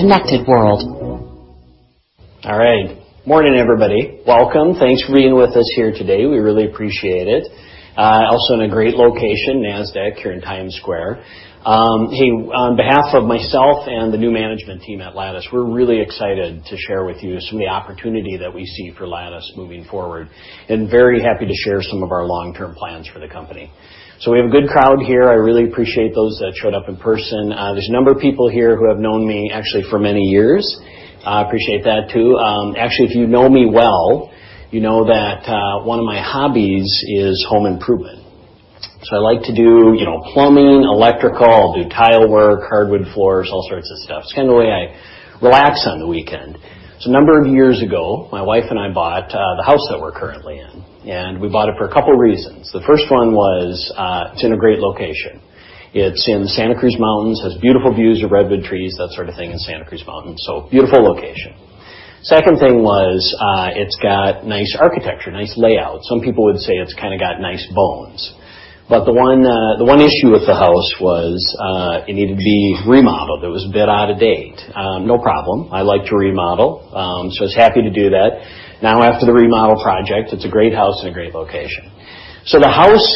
Connected world. All right. Morning, everybody. Welcome. Thanks for being with us here today. We really appreciate it. Also in a great location, Nasdaq, here in Times Square. Hey, on behalf of myself and the new management team at Lattice, we're really excited to share with you some of the opportunity that we see for Lattice moving forward, and very happy to share some of our long-term plans for the company. We have a good crowd here. I really appreciate those that showed up in person. There's a number of people here who have known me actually for many years. I appreciate that, too. Actually, if you know me well, you know that one of my hobbies is home improvement. I like to do plumbing, electrical, I'll do tile work, hardwood floors, all sorts of stuff. It's kind of the way I relax on the weekend. A number of years ago, my wife and I bought the house that we're currently in, and we bought it for a couple of reasons. The first one was, it's in a great location. It's in the Santa Cruz Mountains, has beautiful views of redwood trees, that sort of thing in Santa Cruz Mountains. Beautiful location. Second thing was, it's got nice architecture, nice layout. Some people would say it's kind of got nice bones. The one issue with the house was, it needed to be remodeled. It was a bit out of date. No problem. I like to remodel, so I was happy to do that. Now after the remodel project, it's a great house in a great location. The house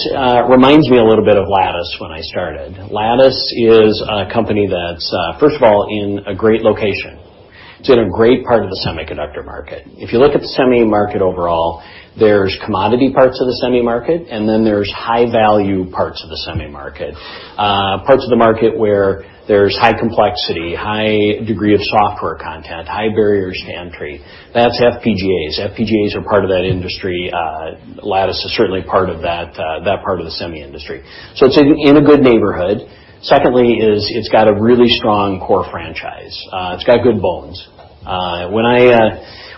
reminds me a little bit of Lattice when I started. Lattice is a company that's, first of all, in a great location. It's in a great part of the semiconductor market. If you look at the semi market overall, there's commodity parts of the semi market, and then there's high-value parts of the semi market. Parts of the market where there's high complexity, high degree of software content, high barriers to entry. That's FPGAs. FPGAs are part of that industry. Lattice is certainly part of that part of the semi industry. It's in a good neighborhood. Secondly is it's got a really strong core franchise. It's got good bones.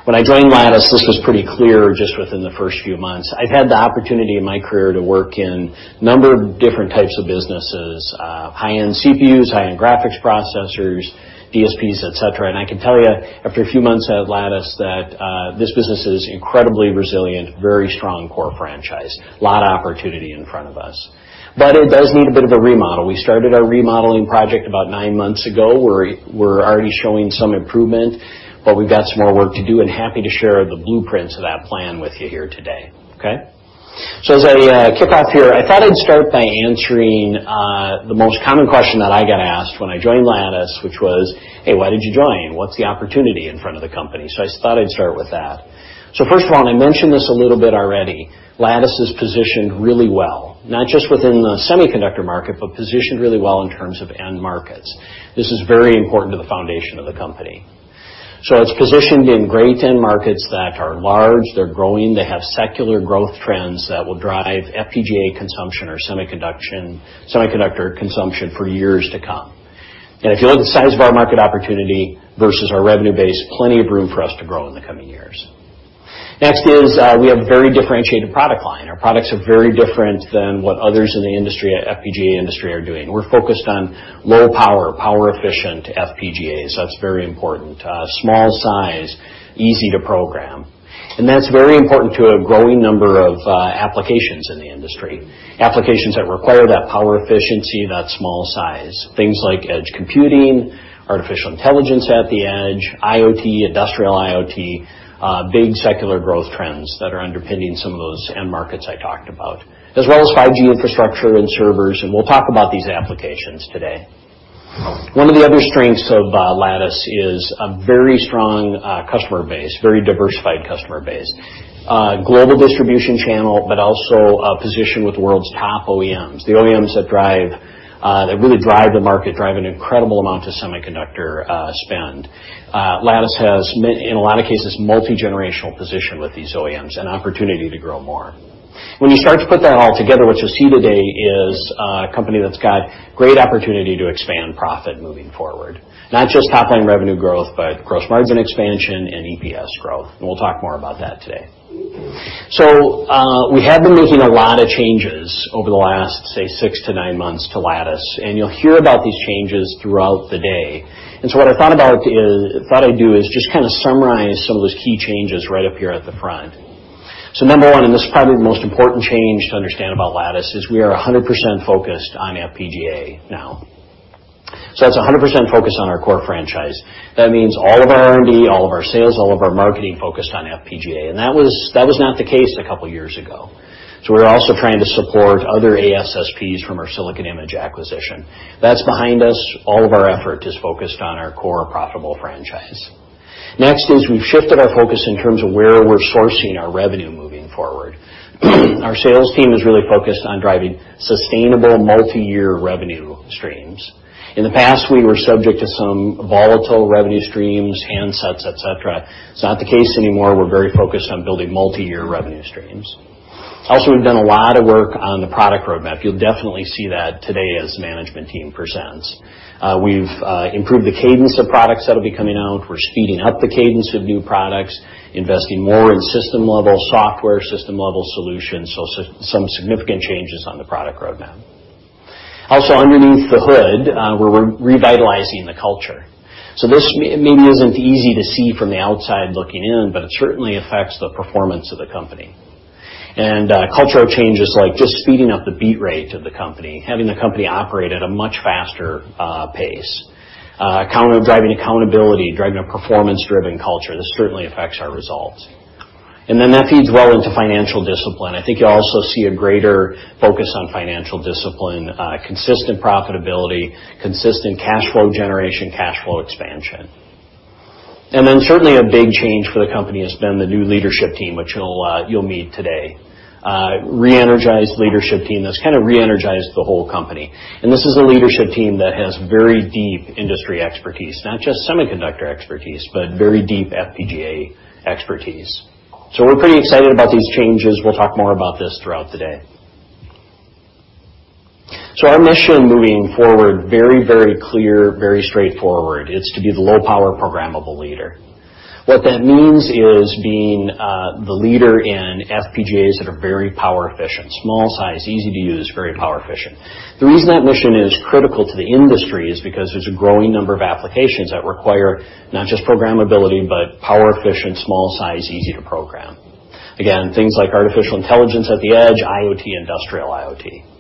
When I joined Lattice, this was pretty clear just within the first few months. I've had the opportunity in my career to work in a number of different types of businesses, high-end CPUs, high-end graphics processors, DSPs, et cetera. I can tell you after a few months at Lattice that this business is incredibly resilient, very strong core franchise. Lot of opportunity in front of us. It does need a bit of a remodel. We started our remodeling project about nine months ago. We're already showing some improvement, but we've got some more work to do and happy to share the blueprints of that plan with you here today. Okay? As I kick off here, I thought I'd start by answering the most common question that I got asked when I joined Lattice, which was, "Hey, why did you join? What's the opportunity in front of the company?" I thought I'd start with that. First of all, and I mentioned this a little bit already, Lattice is positioned really well, not just within the semiconductor market, but positioned really well in terms of end markets. This is very important to the foundation of the company. It's positioned in great end markets that are large, they're growing, they have secular growth trends that will drive FPGA consumption or semiconductor consumption for years to come. If you look at the size of our market opportunity versus our revenue base, plenty of room for us to grow in the coming years. Next is, we have very differentiated product line. Our products are very different than what others in the industry, FPGA industry are doing. We're focused on low power efficient FPGAs. That's very important. Small size, easy to program. That's very important to a growing number of applications in the industry. Applications that require that power efficiency, that small size. Things like edge computing, artificial intelligence at the edge, IoT, industrial IoT, big secular growth trends that are underpinning some of those end markets I talked about. As well as 5G infrastructure and servers. We'll talk about these applications today. One of the other strengths of Lattice is a very strong customer base, very diversified customer base. Global distribution channel, but also a position with world's top OEMs. The OEMs that really drive the market, drive an incredible amount of semiconductor spend. Lattice has, in a lot of cases, multi-generational position with these OEMs, and opportunity to grow more. When you start to put that all together, what you'll see today is a company that's got great opportunity to expand profit moving forward. Not just top line revenue growth, but gross margin expansion and EPS growth. We'll talk more about that today. We have been making a lot of changes over the last, say, six to nine months to Lattice, and you'll hear about these changes throughout the day. What I thought I'd do is just kind of summarize some of those key changes right up here at the front. Number one, and this is probably the most important change to understand about Lattice, is we are 100% focused on FPGA now. That's 100% focused on our core franchise. That means all of our R&D, all of our sales, all of our marketing focused on FPGA. That was not the case a couple of years ago. We're also trying to support other ASSPs from our Silicon Image acquisition. That's behind us. All of our effort is focused on our core profitable franchise. Next is we've shifted our focus in terms of where we're sourcing our revenue moving forward. Our sales team is really focused on driving sustainable multi-year revenue streams. In the past, we were subject to some volatile revenue streams, handsets, et cetera. It's not the case anymore. We're very focused on building multi-year revenue streams. We've done a lot of work on the product roadmap. You'll definitely see that today as management team presents. We've improved the cadence of products that'll be coming out. We're speeding up the cadence of new products, investing more in system-level software, system-level solutions. Some significant changes on the product roadmap. Underneath the hood, we're revitalizing the culture. This maybe isn't easy to see from the outside looking in, but it certainly affects the performance of the company. Cultural changes like just speeding up the beat rate of the company, having the company operate at a much faster pace, driving accountability, driving a performance-driven culture. This certainly affects our results. That feeds well into financial discipline. I think you'll also see a greater focus on financial discipline, consistent profitability, consistent cash flow generation, cash flow expansion. Certainly a big change for the company has been the new leadership team, which you'll meet today. Re-energized leadership team that's kind of re-energized the whole company. This is a leadership team that has very deep industry expertise, not just semiconductor expertise, but very deep FPGA expertise. We're pretty excited about these changes. We'll talk more about this throughout the day. Our mission moving forward, very clear, very straightforward. It's to be the low power programmable leader. What that means is being the leader in FPGAs that are very power efficient, small size, easy to use, very power efficient. The reason that mission is critical to the industry is because there's a growing number of applications that require not just programmability, but power efficient, small size, easy to program. Again, things like artificial intelligence at the edge, IoT, industrial IoT.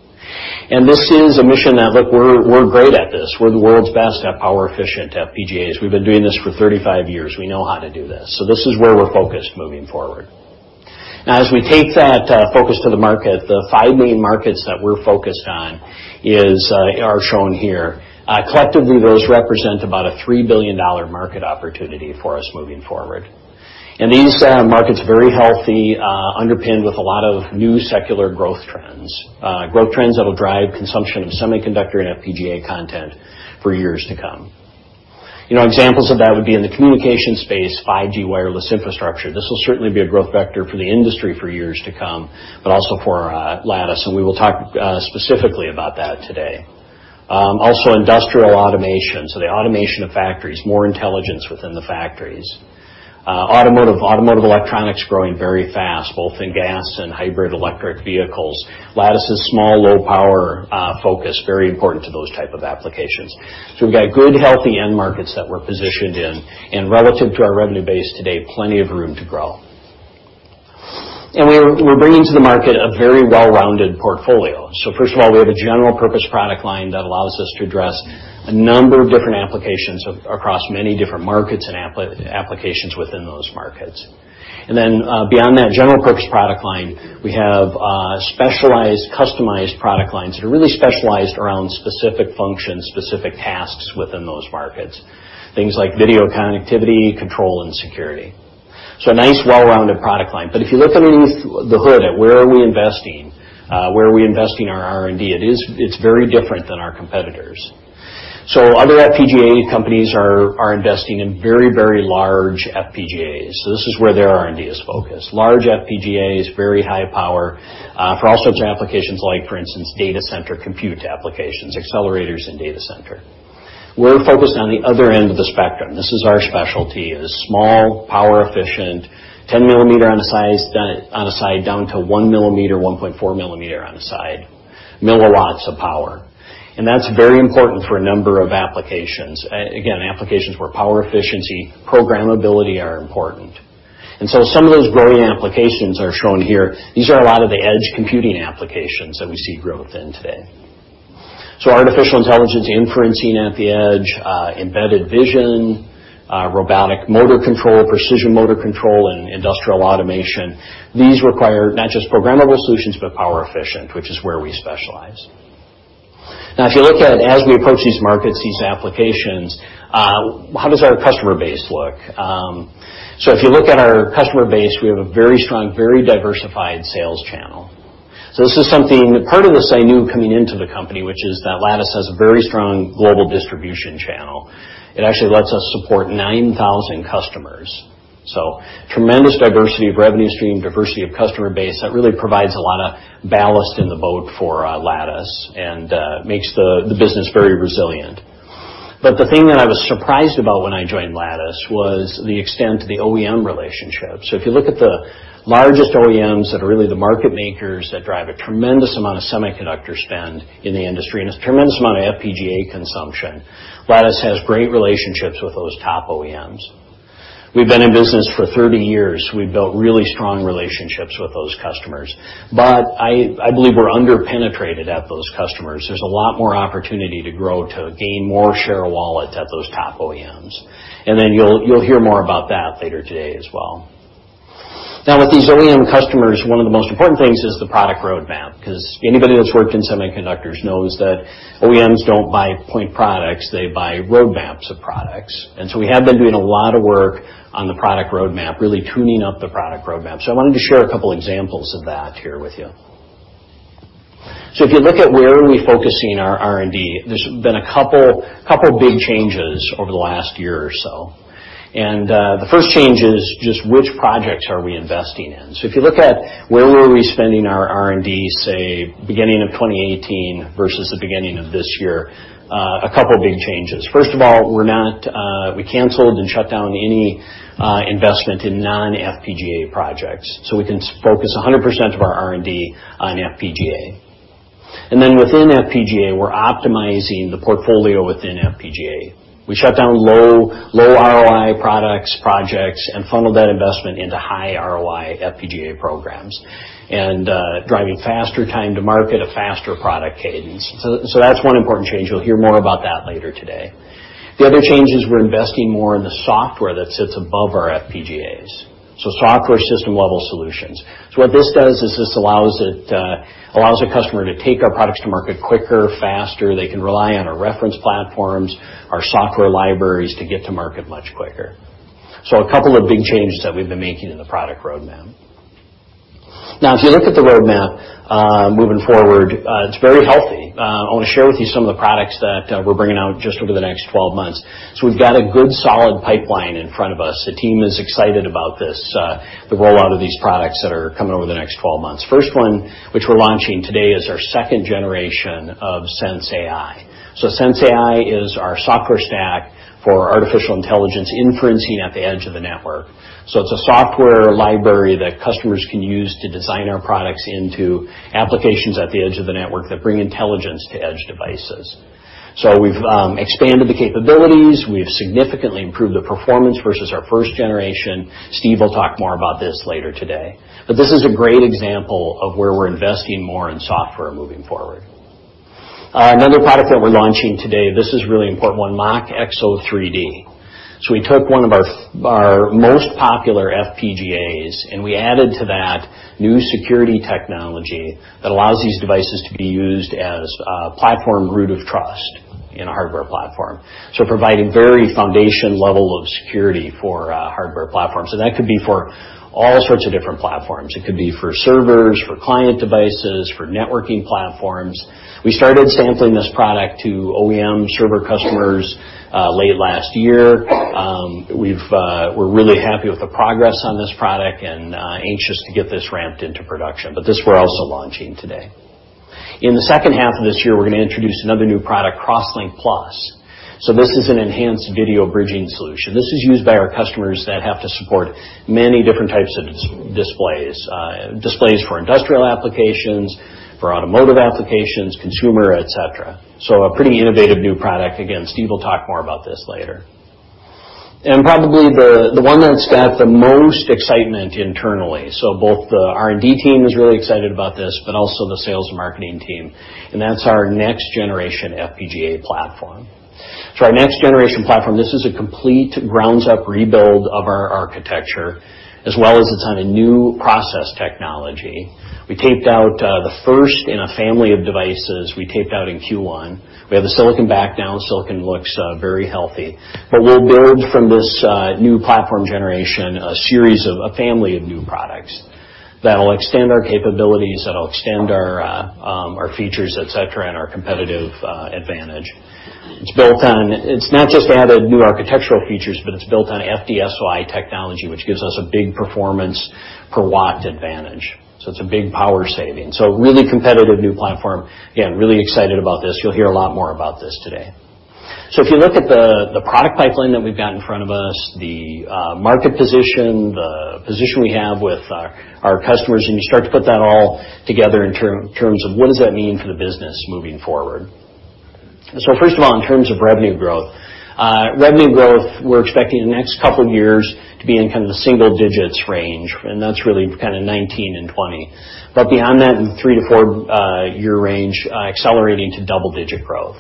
This is a mission that look, we're great at this. We're the world's best at power efficient FPGAs. We've been doing this for 35 years. We know how to do this, so this is where we're focused moving forward. As we take that focus to the market, the five main markets that we're focused on are shown here. Collectively, those represent about a $3 billion market opportunity for us moving forward. These markets, very healthy, underpinned with a lot of new secular growth trends. Growth trends that'll drive consumption of semiconductor and FPGA content for years to come. Examples of that would be in the communication space, 5G wireless infrastructure. This will certainly be a growth vector for the industry for years to come, but also for Lattice, and we will talk specifically about that today. Industrial automation, so the automation of factories, more intelligence within the factories. Automotive electronics growing very fast, both in gas and hybrid electric vehicles. Lattice's small, low power focus, very important to those type of applications. We've got good, healthy end markets that we're positioned in, and relative to our revenue base today, plenty of room to grow. We're bringing to the market a very well-rounded portfolio. First of all, we have a general purpose product line that allows us to address a number of different applications across many different markets and applications within those markets. Beyond that general purpose product line, we have specialized, customized product lines that are really specialized around specific functions, specific tasks within those markets. Things like video connectivity, control, and security. A nice, well-rounded product line. If you look underneath the hood at where are we investing, where are we investing our R&D is, it's very different than our competitors. Other FPGA companies are investing in very large FPGAs. This is where their R&D is focused. Large FPGAs, very high power, for all sorts of applications like, for instance, data center compute applications, accelerators and data center. We're focused on the other end of the spectrum. This is our specialty, is small, power efficient, 10 millimeter on a side down to one millimeter, 1.4 millimeter on a side, milliwatts of power. That's very important for a number of applications. Again, applications where power efficiency, programmability are important. Some of those growing applications are shown here. These are a lot of the edge computing applications that we see growth in today. Artificial intelligence, inferencing at the edge, embedded vision, robotic motor control, precision motor control, and industrial automation. These require not just programmable solutions, but power efficient, which is where we specialize. If you look at, as we approach these markets, these applications, how does our customer base look? If you look at our customer base, we have a very strong, very diversified sales channel. This is something, part of this I knew coming into the company, which is that Lattice has a very strong global distribution channel. It actually lets us support 9,000 customers. Tremendous diversity of revenue stream, diversity of customer base. That really provides a lot of ballast in the boat for Lattice and makes the business very resilient. The thing that I was surprised about when I joined Lattice was the extent of the OEM relationship. If you look at the largest OEMs that are really the market makers that drive a tremendous amount of semiconductor spend in the industry, and a tremendous amount of FPGA consumption, Lattice has great relationships with those top OEMs. We've been in business for 30 years. We've built really strong relationships with those customers. I believe we're under-penetrated at those customers. There's a lot more opportunity to grow, to gain more share of wallet at those top OEMs. You'll hear more about that later today as well. With these OEM customers, one of the most important things is the product roadmap, because anybody that's worked in semiconductors knows that OEMs don't buy point products, they buy roadmaps of products. We have been doing a lot of work on the product roadmap, really tuning up the product roadmap. I wanted to share a couple examples of that here with you. If you look at where are we focusing our R&D, there's been a couple big changes over the last year or so. The first change is just which projects are we investing in. If you look at where were we spending our R&D, say, beginning of 2018 versus the beginning of this year, a couple of big changes. First of all, we canceled and shut down any investment in non-FPGA projects. We can focus 100% of our R&D on FPGA. Within FPGA, we're optimizing the portfolio within FPGA. We shut down low ROI products, projects, and funneled that investment into high ROI FPGA programs and driving faster time to market, a faster product cadence. That's one important change. You'll hear more about that later today. The other change is we're investing more in the software that sits above our FPGAs, software system-level solutions. What this does is this allows a customer to take our products to market quicker, faster. They can rely on our reference platforms, our software libraries to get to market much quicker. A couple of big changes that we've been making in the product roadmap. If you look at the roadmap, moving forward, it's very healthy. I want to share with you some of the products that we're bringing out just over the next 12 months. We've got a good, solid pipeline in front of us. The team is excited about this, the rollout of these products that are coming over the next 12 months. First one, which we're launching today, is our second generation of sensAI. sensAI is our software stack for artificial intelligence inferencing at the edge of the network. It's a software library that customers can use to design our products into applications at the edge of the network that bring intelligence to edge devices. We've expanded the capabilities. We've significantly improved the performance versus our first generation. Steve will talk more about this later today, but this is a great example of where we're investing more in software moving forward. Another product that we're launching today, this is a really important one, MachXO3D. We took one of our most popular FPGAs, and we added to that new security technology that allows these devices to be used as a platform root of trust in a hardware platform. Providing very foundation level of security for hardware platforms. That could be for all sorts of different platforms. It could be for servers, for client devices, for networking platforms. We started sampling this product to OEM server customers late last year. We're really happy with the progress on this product and anxious to get this ramped into production. This, we're also launching today. In the second half of this year, we're going to introduce another new product, CrossLinkPlus. This is an enhanced video bridging solution. This is used by our customers that have to support many different types of displays. Displays for industrial applications, for automotive applications, consumer, et cetera. A pretty innovative new product. Again, Steve will talk more about this later. Probably the one that's got the most excitement internally, both the R&D team is really excited about this, but also the sales and marketing team, and that's our next-generation FPGA platform. Our next-generation platform, this is a complete grounds-up rebuild of our architecture, as well as it's on a new process technology. We taped out the first in a family of devices we taped out in Q1. We have the silicon back now, silicon looks very healthy. We'll build from this new platform generation, a series of a family of new products that'll extend our capabilities, that'll extend our features, et cetera, and our competitive advantage. It's not just added new architectural features, but it's built on FD-SOI technology, which gives us a big performance per watt advantage, so it's a big power saving. Really competitive new platform. Really excited about this. You'll hear a lot more about this today. If you look at the product pipeline that we've got in front of us, the market position, the position we have with our customers, you start to put that all together in terms of what does that mean for the business moving forward. First of all, in terms of revenue growth. Revenue growth, we're expecting the next couple of years to be in kind of the single-digits range, and that's really kind of 2019 and 2020. Beyond that, in 3- to 4-year range, accelerating to double-digit growth.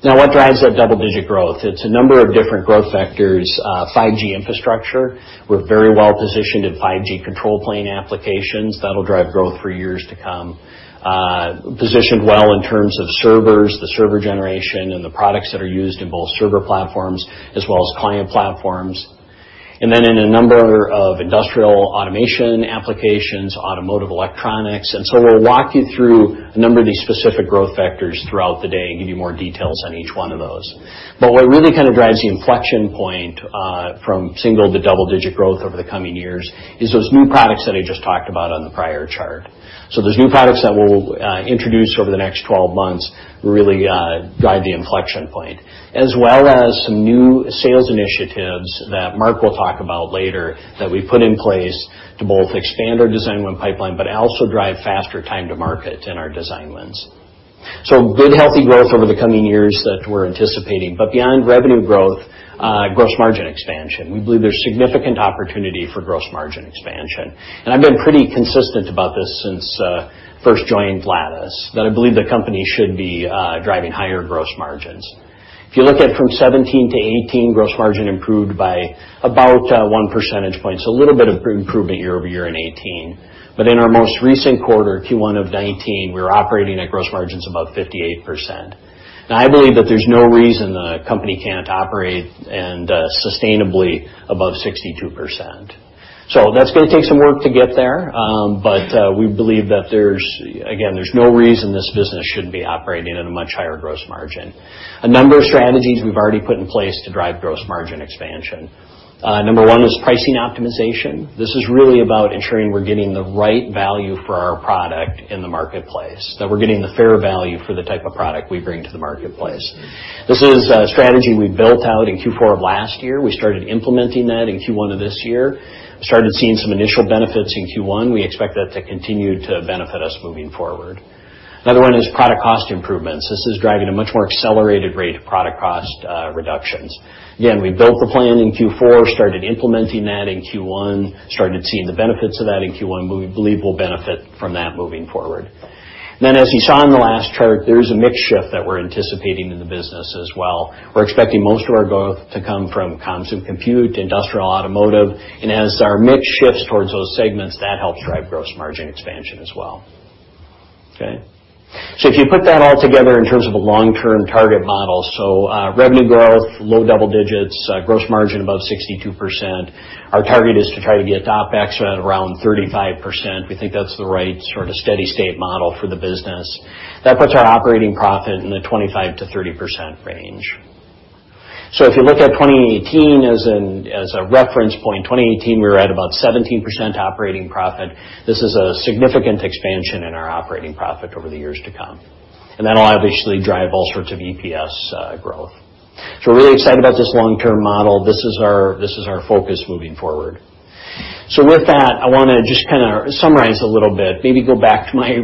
What drives that double-digit growth? It's a number of different growth vectors. 5G infrastructure. We're very well positioned in 5G control plane applications. That'll drive growth for years to come. Positioned well in terms of servers, the server generation, and the products that are used in both server platforms as well as client platforms. In a number of industrial automation applications, automotive electronics. We'll walk you through a number of these specific growth vectors throughout the day and give you more details on each one of those. What really kind of drives the inflection point from single to double-digit growth over the coming years is those new products that I just talked about on the prior chart. Those new products that we'll introduce over the next 12 months really drive the inflection point, as well as some new sales initiatives that Mark will talk about later that we put in place to both expand our design win pipeline, but also drive faster time to market in our design wins. Good, healthy growth over the coming years that we're anticipating. Beyond revenue growth, gross margin expansion. We believe there's significant opportunity for gross margin expansion. I've been pretty consistent about this since first joining Lattice, that I believe the company should be driving higher gross margins. If you look at from 2017 to 2018, gross margin improved by about 1 percentage point, so a little bit of improvement year-over-year in 2018. In our most recent quarter, Q1 of 2019, we were operating at gross margins above 58%. I believe that there's no reason the company can't operate and sustainably above 62%. That's going to take some work to get there, but we believe that there's, again, there's no reason this business shouldn't be operating at a much higher gross margin. A number of strategies we've already put in place to drive gross margin expansion. Number 1 is pricing optimization. This is really about ensuring we're getting the right value for our product in the marketplace, that we're getting the fair value for the type of product we bring to the marketplace. This is a strategy we built out in Q4 of last year. We started implementing that in Q1 of this year, started seeing some initial benefits in Q1. We expect that to continue to benefit us moving forward. Another one is product cost improvements. We built the plan in Q4, started implementing that in Q1, started seeing the benefits of that in Q1. We believe we'll benefit from that moving forward. As you saw in the last chart, there's a mix shift that we're anticipating in the business as well. We're expecting most of our growth to come from comms and compute, industrial, automotive, and as our mix shifts towards those segments, that helps drive gross margin expansion as well. Okay. If you put that all together in terms of a long-term target model, revenue growth, low double digits, gross margin above 62%. Our target is to try to get OPEX right around 35%. We think that's the right sort of steady state model for the business. That puts our operating profit in the 25%-30% range. If you look at 2018 as a reference point, 2018, we were at about 17% operating profit. This is a significant expansion in our operating profit over the years to come, and that'll obviously drive all sorts of EPS growth. We're really excited about this long-term model. This is our focus moving forward. With that, I want to just kind of summarize a little bit, maybe go back to my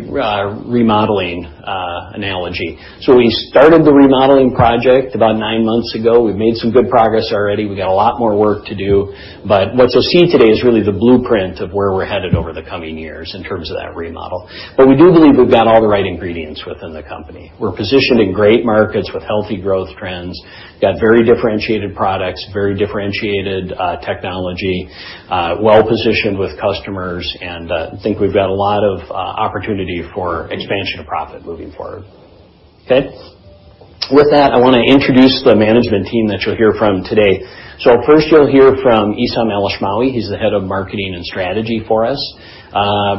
remodeling analogy. We started the remodeling project about 9 months ago. We've made some good progress already. We've got a lot more work to do, but what you'll see today is really the blueprint of where we're headed over the coming years in terms of that remodel. We do believe we've got all the right ingredients within the company. We're positioned in great markets with healthy growth trends, got very differentiated products, very differentiated technology, well-positioned with customers, and I think we've got a lot of opportunity for expansion of profit moving forward. Okay. With that, I want to introduce the management team that you'll hear from today. First, you'll hear from Esam Elashmawi. He's the head of marketing and strategy for us.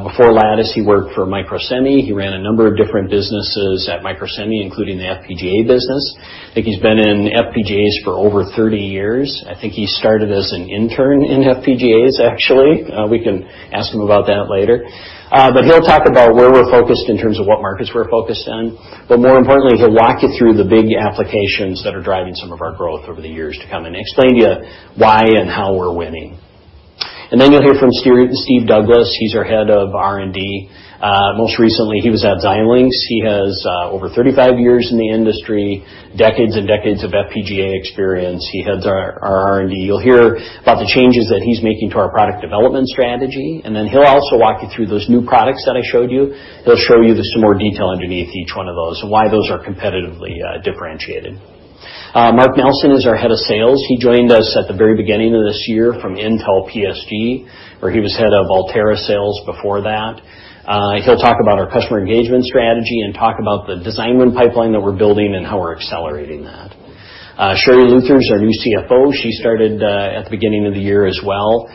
Before Lattice, he worked for Microsemi. He ran a number of different businesses at Microsemi, including the FPGA business. I think he's been in FPGAs for over 30 years. I think he started as an intern in FPGAs, actually. We can ask him about that later. He'll talk about where we're focused in terms of what markets we're focused on. More importantly, he'll walk you through the big applications that are driving some of our growth over the years to come and explain to you why and how we're winning. You'll hear from Steve Douglass. He's our head of R&D. Most recently, he was at Xilinx. He has over 35 years in the industry, decades and decades of FPGA experience. He heads our R&D. You'll hear about the changes that he's making to our product development strategy, he'll also walk you through those new products that I showed you. He'll show you some more detail underneath each one of those and why those are competitively differentiated. Mark Nelson is our head of sales. He joined us at the very beginning of this year from Intel PSG, where he was head of Altera sales before that. He'll talk about our customer engagement strategy and talk about the design win pipeline that we're building and how we're accelerating that. Sherri Luther is our new CFO. She started at the beginning of the year as well.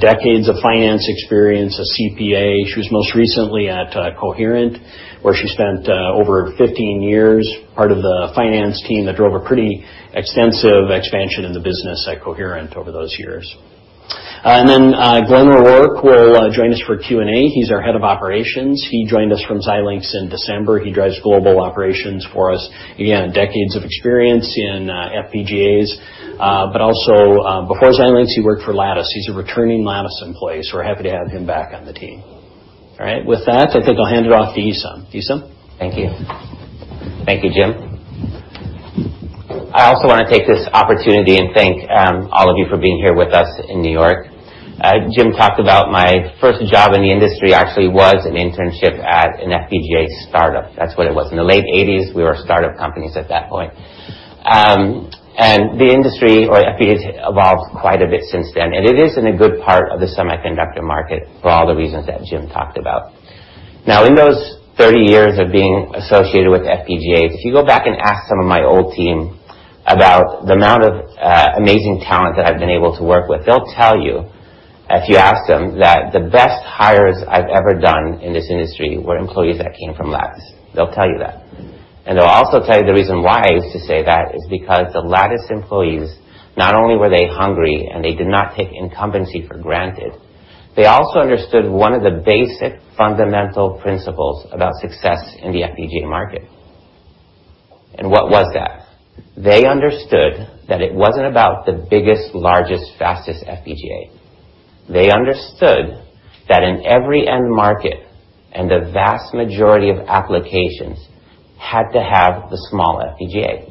Decades of finance experience, a CPA. She was most recently at Coherent, where she spent over 15 years, part of the finance team that drove a pretty extensive expansion in the business at Coherent over those years. Glenn O'Rourke will join us for Q&A. He's our head of operations. He joined us from Xilinx in December. He drives global operations for us. Again, decades of experience in FPGAs. Before Xilinx, he worked for Lattice. He's a returning Lattice employee, so we're happy to have him back on the team. With that, I think I'll hand it off to Esam. Esam? Thank you. Thank you, Jim. I also want to take this opportunity and thank all of you for being here with us in New York. Jim talked about my first job in the industry actually was an internship at an FPGA startup. That's what it was. In the late '80s, we were startup companies at that point. The industry, or FPGAs, evolved quite a bit since then, and it is in a good part of the semiconductor market for all the reasons that Jim talked about. Now, in those 30 years of being associated with FPGAs, if you go back and ask some of my old team about the amount of amazing talent that I've been able to work with, they'll tell you, if you ask them, that the best hires I've ever done in this industry were employees that came from Lattice. They'll tell you that. They'll also tell you the reason why I used to say that is because the Lattice employees, not only were they hungry and they did not take incumbency for granted, they also understood one of the basic fundamental principles about success in the FPGA market. What was that? They understood that it wasn't about the biggest, largest, fastest FPGA. They understood that in every end market, and the vast majority of applications had to have the small FPGA.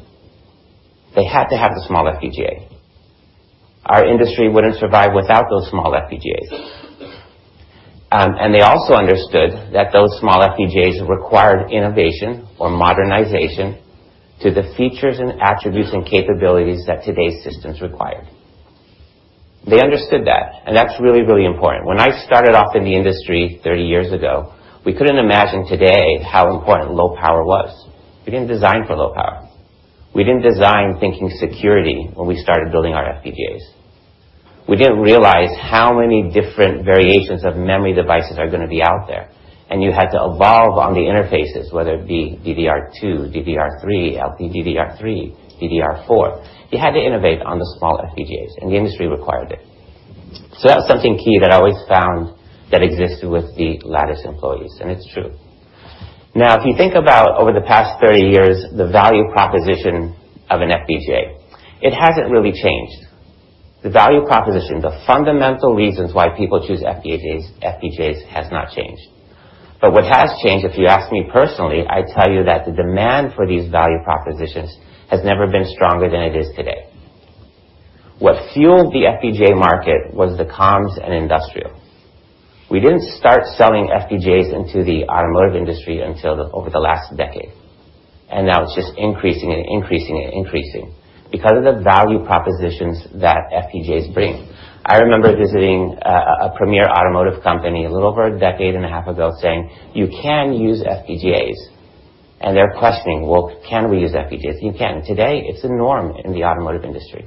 They had to have the small FPGA. Our industry wouldn't survive without those small FPGAs. They also understood that those small FPGAs required innovation or modernization to the features and attributes and capabilities that today's systems require. They understood that, and that's really, really important. When I started off in the industry 30 years ago, we couldn't imagine today how important low power was. We didn't design for low power. We didn't design thinking security when we started building our FPGAs. We didn't realize how many different variations of memory devices are going to be out there, and you had to evolve on the interfaces, whether it be DDR2, DDR3, LPDDR3, DDR4. You had to innovate on the small FPGAs, and the industry required it. That was something key that I always found that existed with the Lattice employees, and it's true. Now, if you think about over the past 30 years, the value proposition of an FPGA, it hasn't really changed. The value proposition, the fundamental reasons why people choose FPGAs has not changed. What has changed, if you ask me personally, I tell you that the demand for these value propositions has never been stronger than it is today. What fueled the FPGA market was the comms and industrial. We didn't start selling FPGAs into the automotive industry until over the last decade, and now it's just increasing because of the value propositions that FPGAs bring. I remember visiting a premier automotive company a little over a decade and a half ago saying, "You can use FPGAs." They're questioning, "Well, can we use FPGAs?" "You can." Today, it's a norm in the automotive industry.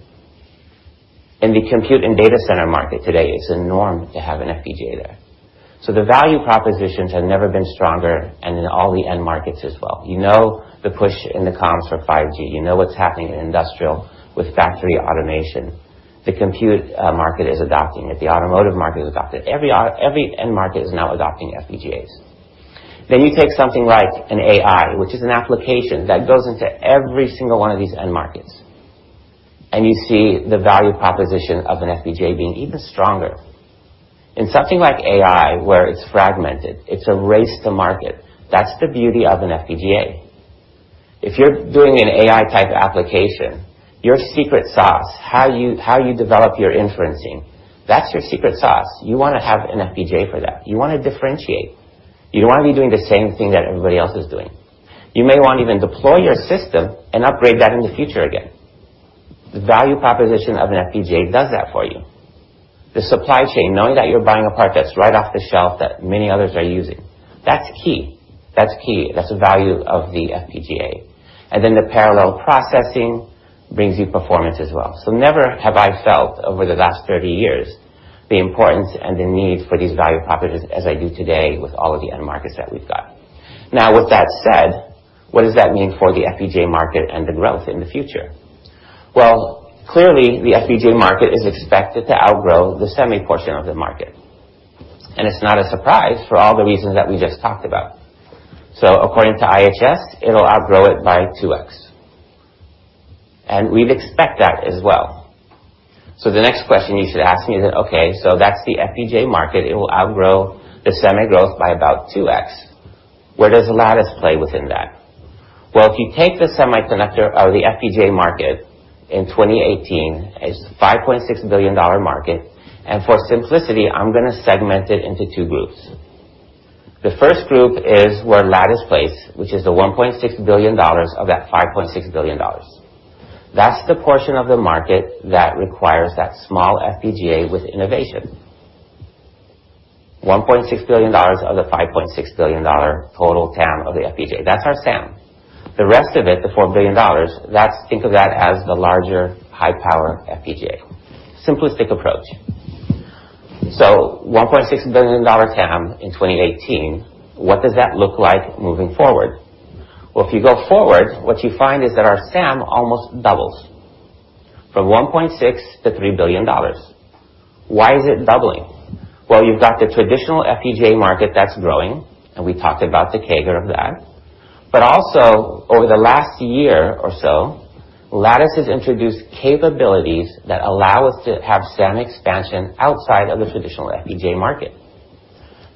In the compute and data center market today, it's a norm to have an FPGA there. The value propositions have never been stronger and in all the end markets as well. You know the push in the comms for 5G. You know what's happening in industrial with factory automation. The compute market is adopting it. The automotive market has adopted. Every end market is now adopting FPGAs. You take something like an AI, which is an application that goes into every single one of these end markets, and you see the value proposition of an FPGA being even stronger. In something like AI, where it's fragmented, it's a race to market. That's the beauty of an FPGA. If you're doing an AI type application, your secret sauce, how you develop your inferencing, that's your secret sauce. You want to have an FPGA for that. You want to differentiate. You don't want to be doing the same thing that everybody else is doing. You may want to even deploy your system and upgrade that in the future again. The value proposition of an FPGA does that for you. The supply chain, knowing that you're buying a part that's right off the shelf that many others are using, that's key. That's a value of the FPGA. The parallel processing brings you performance as well. Never have I felt over the last 30 years the importance and the need for these value propositions as I do today with all of the end markets that we've got. Now, with that said, what does that mean for the FPGA market and the growth in the future? Clearly, the FPGA market is expected to outgrow the semi portion of the market, and it's not a surprise for all the reasons that we just talked about. According to IHS, it'll outgrow it by 2X, and we'd expect that as well. The next question you should ask me is, okay, that's the FPGA market. It will outgrow the semi growth by about 2X. Where does Lattice play within that? If you take the FPGA market in 2018, it's a $5.6 billion market. For simplicity, I'm going to segment it into two groups. The first group is where Lattice plays, which is the $1.6 billion of that $5.6 billion. That's the portion of the market that requires that small FPGA with innovation. $1.6 billion of the $5.6 billion total TAM of the FPGA. That's our SAM. The rest of it, the $4 billion, think of that as the larger high-power FPGA, a simplistic approach. $1.6 billion TAM in 2018, what does that look like moving forward? If you go forward, what you find is that our SAM almost doubles from $1.6 to $3 billion. Why is it doubling? You've got the traditional FPGA market that's growing, and we talked about the CAGR of that. Also over the last year or so, Lattice has introduced capabilities that allow us to have SAM expansion outside of the traditional FPGA market.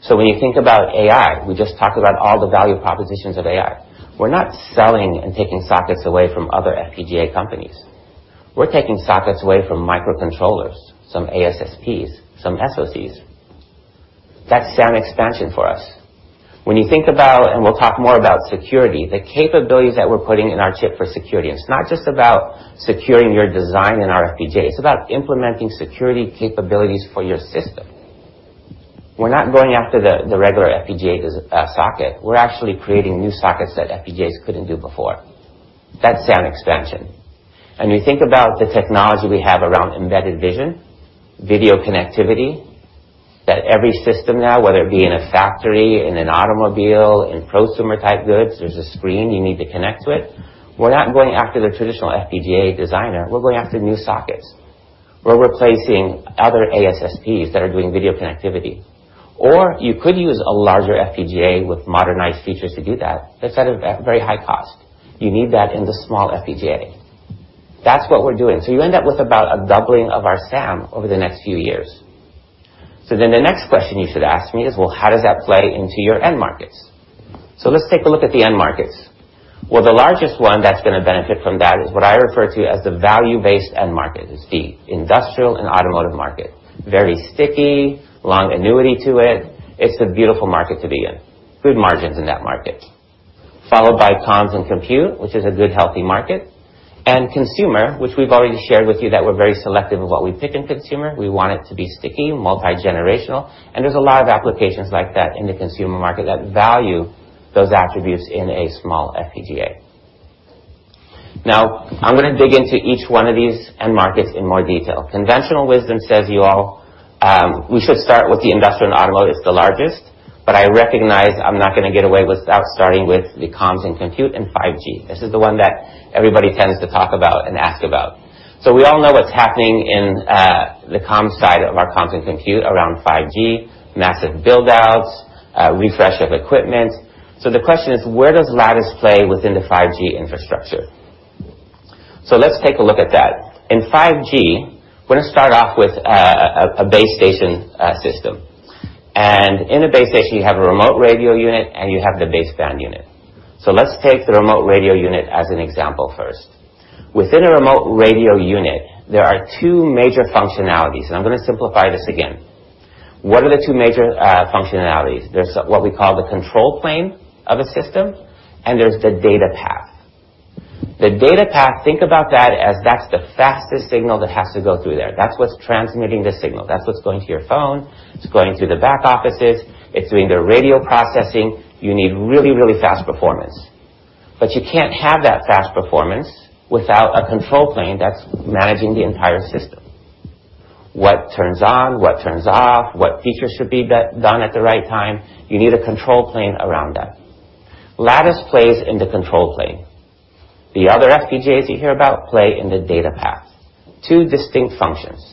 When you think about AI, we just talked about all the value propositions of AI. We're not selling and taking sockets away from other FPGA companies. We're taking sockets away from microcontrollers, some ASSPs, some SoCs. That's SAM expansion for us. When you think about, and we'll talk more about security, the capabilities that we're putting in our chip for security, it's not just about securing your design in our FPGA, it's about implementing security capabilities for your system. We're not going after the regular FPGA socket. We're actually creating new sockets that FPGAs couldn't do before. That's SAM expansion. You think about the technology we have around embedded vision, video connectivity, that every system now, whether it be in a factory, in an automobile, in prosumer type goods, there's a screen you need to connect to it. We're not going after the traditional FPGA designer. We're going after new sockets. We're replacing other ASSPs that are doing video connectivity. You could use a larger FPGA with modernized features to do that, but it's at a very high cost. You need that in the small FPGA. That's what we're doing. You end up with about a doubling of our SAM over the next few years. The next question you should ask me is, well, how does that play into your end markets? Let's take a look at the end markets. The largest one that's going to benefit from that is what I refer to as the value-based end market, is the industrial and automotive market. Very sticky, long annuity to it. It's a beautiful market to be in. Good margins in that market. Followed by comms and compute, which is a good, healthy market. Consumer, which we've already shared with you that we're very selective of what we pick in consumer. We want it to be sticky, multi-generational, and there's a lot of applications like that in the consumer market that value those attributes in a small FPGA. I'm going to dig into each one of these end markets in more detail. Conventional wisdom says you all, we should start with the industrial and automotive, it's the largest, but I recognize I'm not going to get away without starting with the comms and compute and 5G. This is the one that everybody tends to talk about and ask about. We all know what's happening in the comms side of our comms and compute around 5G, massive build-outs, refresh of equipment. The question is: Where does Lattice play within the 5G infrastructure? Let's take a look at that. In 5G, we're going to start off with a base station system. And in a base station, you have a remote radio unit, and you have the baseband unit. Let's take the remote radio unit as an example first. Within a remote radio unit, there are two major functionalities, and I'm going to simplify this again. What are the two major functionalities? There's what we call the control plane of a system, and there's the data path. The data path, think about that as that's the fastest signal that has to go through there. That's what's transmitting the signal. That's what's going to your phone. It's going to the back offices. It's doing the radio processing. You need really fast performance. You can't have that fast performance without a control plane that's managing the entire system. What turns on, what turns off, what features should be done at the right time? You need a control plane around that. Lattice plays in the control plane. The other FPGAs you hear about play in the data path. Two distinct functions.